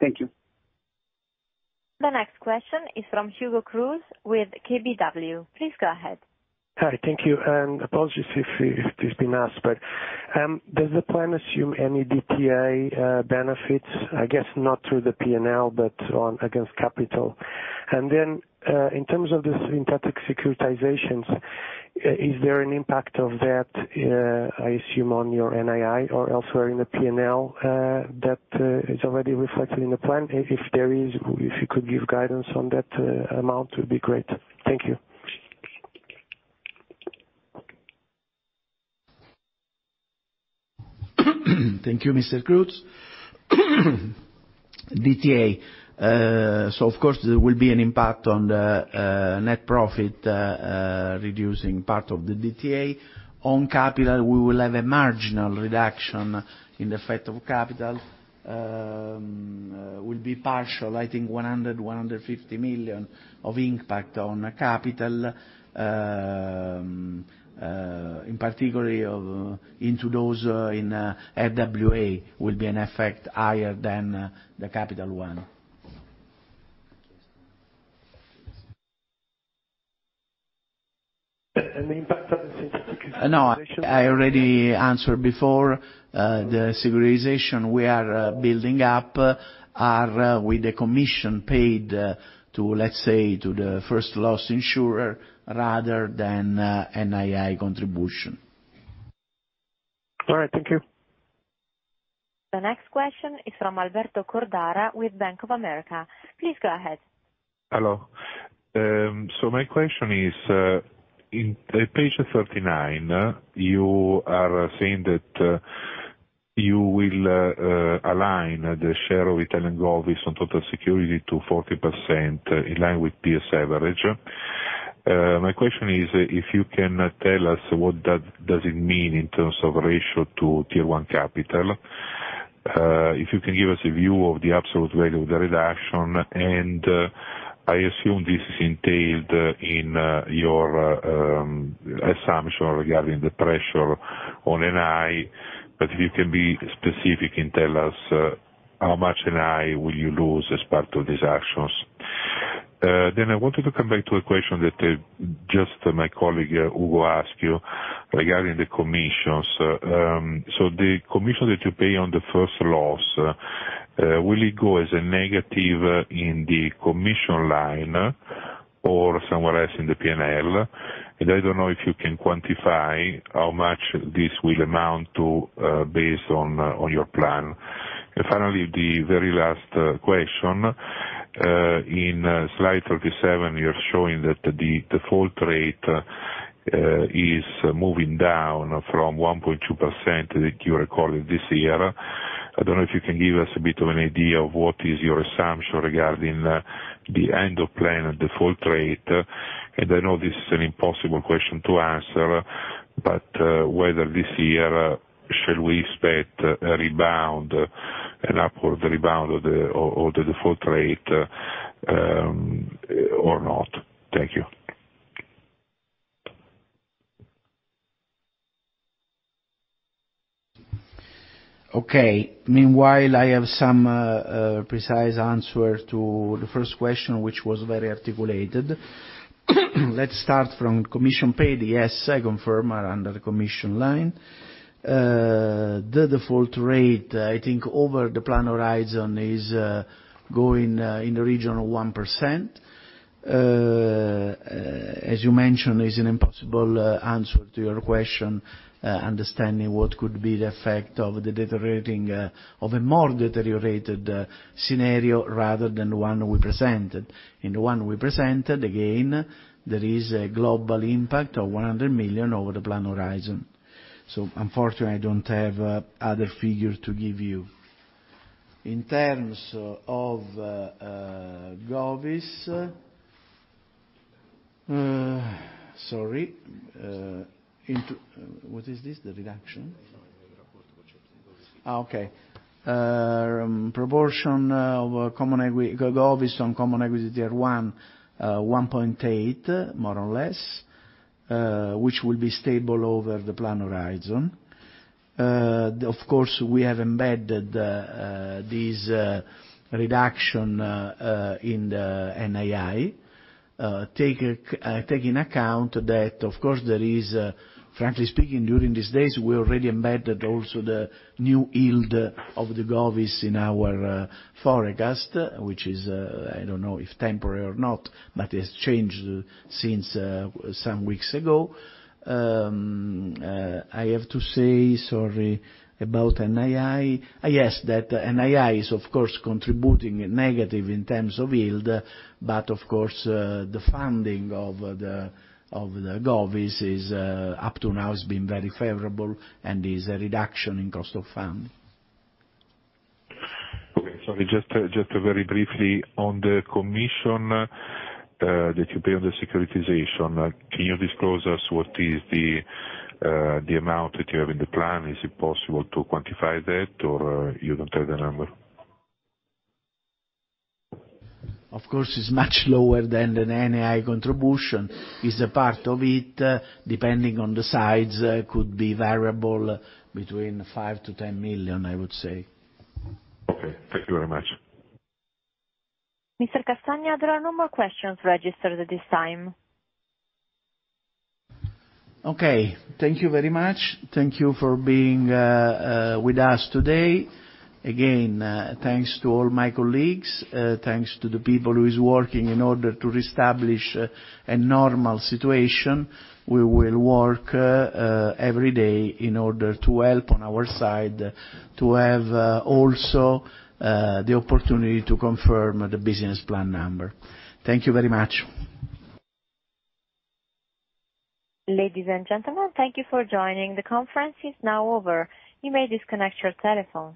Thank you. The next question is from Hugo Cruz with KBW. Please go ahead. Thank you. Apologies if this has been asked, but does the plan assume any DTA benefits? I guess not through the P&L, but against capital. In terms of the synthetic securitizations, is there an impact of that, I assume, on your NII or elsewhere in the P&L that is already reflected in the plan? If there is, if you could give guidance on that amount, it would be great. Thank you. Thank you, Mr. Cruz. DTA. Of course, there will be an impact on the net profit, reducing part of the DTA. On capital, we will have a marginal reduction in effect of capital. Will be partial, I think 100, 150 million of impact on capital. In particular, into those in RWA will be an effect higher than the Capital One. The impact of the synthetic securitization. No. I already answered before. The securitization we are building up are with the commission paid, let's say, to the first loss insurer rather than NII contribution. All right. Thank you. The next question is from Alberto Cordara with Bank of America. Please go ahead. Hello. My question is, in page 39, you are saying that you will align the share of Italian government on total security to 40%, in line with peers average. My question is, if you can tell us what that does it mean in terms of ratio to Tier 1 capital. If you can give us a view of the absolute value of the reduction, and I assume this is entailed in your assumption regarding the pressure on NII, but if you can be specific and tell us how much NII will you lose as part of these actions. I wanted to come back to a question that just my colleague, Hugo, asked you regarding the commissions. The commission that you pay on the first loss, will it go as a negative in the commission line or somewhere else in the P&L? I don't know if you can quantify how much this will amount to based on your plan. Finally, the very last question. In slide 37, you're showing that the default rate is moving down from 1.2% that you recorded this year. I don't know if you can give us a bit of an idea of what is your assumption regarding the end of plan default rate. I know this is an impossible question to answer. Whether this year, shall we expect an upward rebound of the default rate or not? Thank you. Okay. Meanwhile, I have some precise answer to the first question, which was very articulated. Let's start from commission paid. Yes, I confirm, are under the commission line. The default rate, I think over the plan horizon, is going in the region of 1%. As you mentioned, is an impossible answer to your question, understanding what could be the effect of a more deteriorated scenario rather than the one we presented. In the one we presented, again, there is a global impact of 100 million over the plan horizon. Unfortunately, I don't have other figures to give you. In terms of govies. Sorry. What is this? The reduction? Okay. Proportion of govies on Common Equity Tier 1.8, more or less, which will be stable over the plan horizon. Of course, we have embedded this reduction in the NII. Take in account that, of course, frankly speaking, during these days, we already embedded also the new yield of the govies in our forecast, which is, I don't know if temporary or not, but has changed since some weeks ago. I have to say, sorry about NII. Yes, that NII is, of course, contributing negative in terms of yield, but of course, the funding of the govies up to now has been very favorable and is a reduction in cost of funding. Sorry, just very briefly on the commission that you pay on the securitization, can you disclose us what is the amount that you have in the plan? Is it possible to quantify that, or you don't have the number? Of course, it's much lower than an NII contribution. It is a part of it, depending on the size, could be variable between 5 million-10 million, I would say. Okay. Thank you very much. Mr. Castagna, there are no more questions registered at this time. Okay. Thank you very much. Thank you for being with us today. Thanks to all my colleagues, thanks to the people who is working in order to reestablish a normal situation. We will work every day in order to help on our side to have also the opportunity to confirm the business plan number. Thank you very much. Ladies and gentlemen, thank you for joining. The conference is now over. You may disconnect your telephone.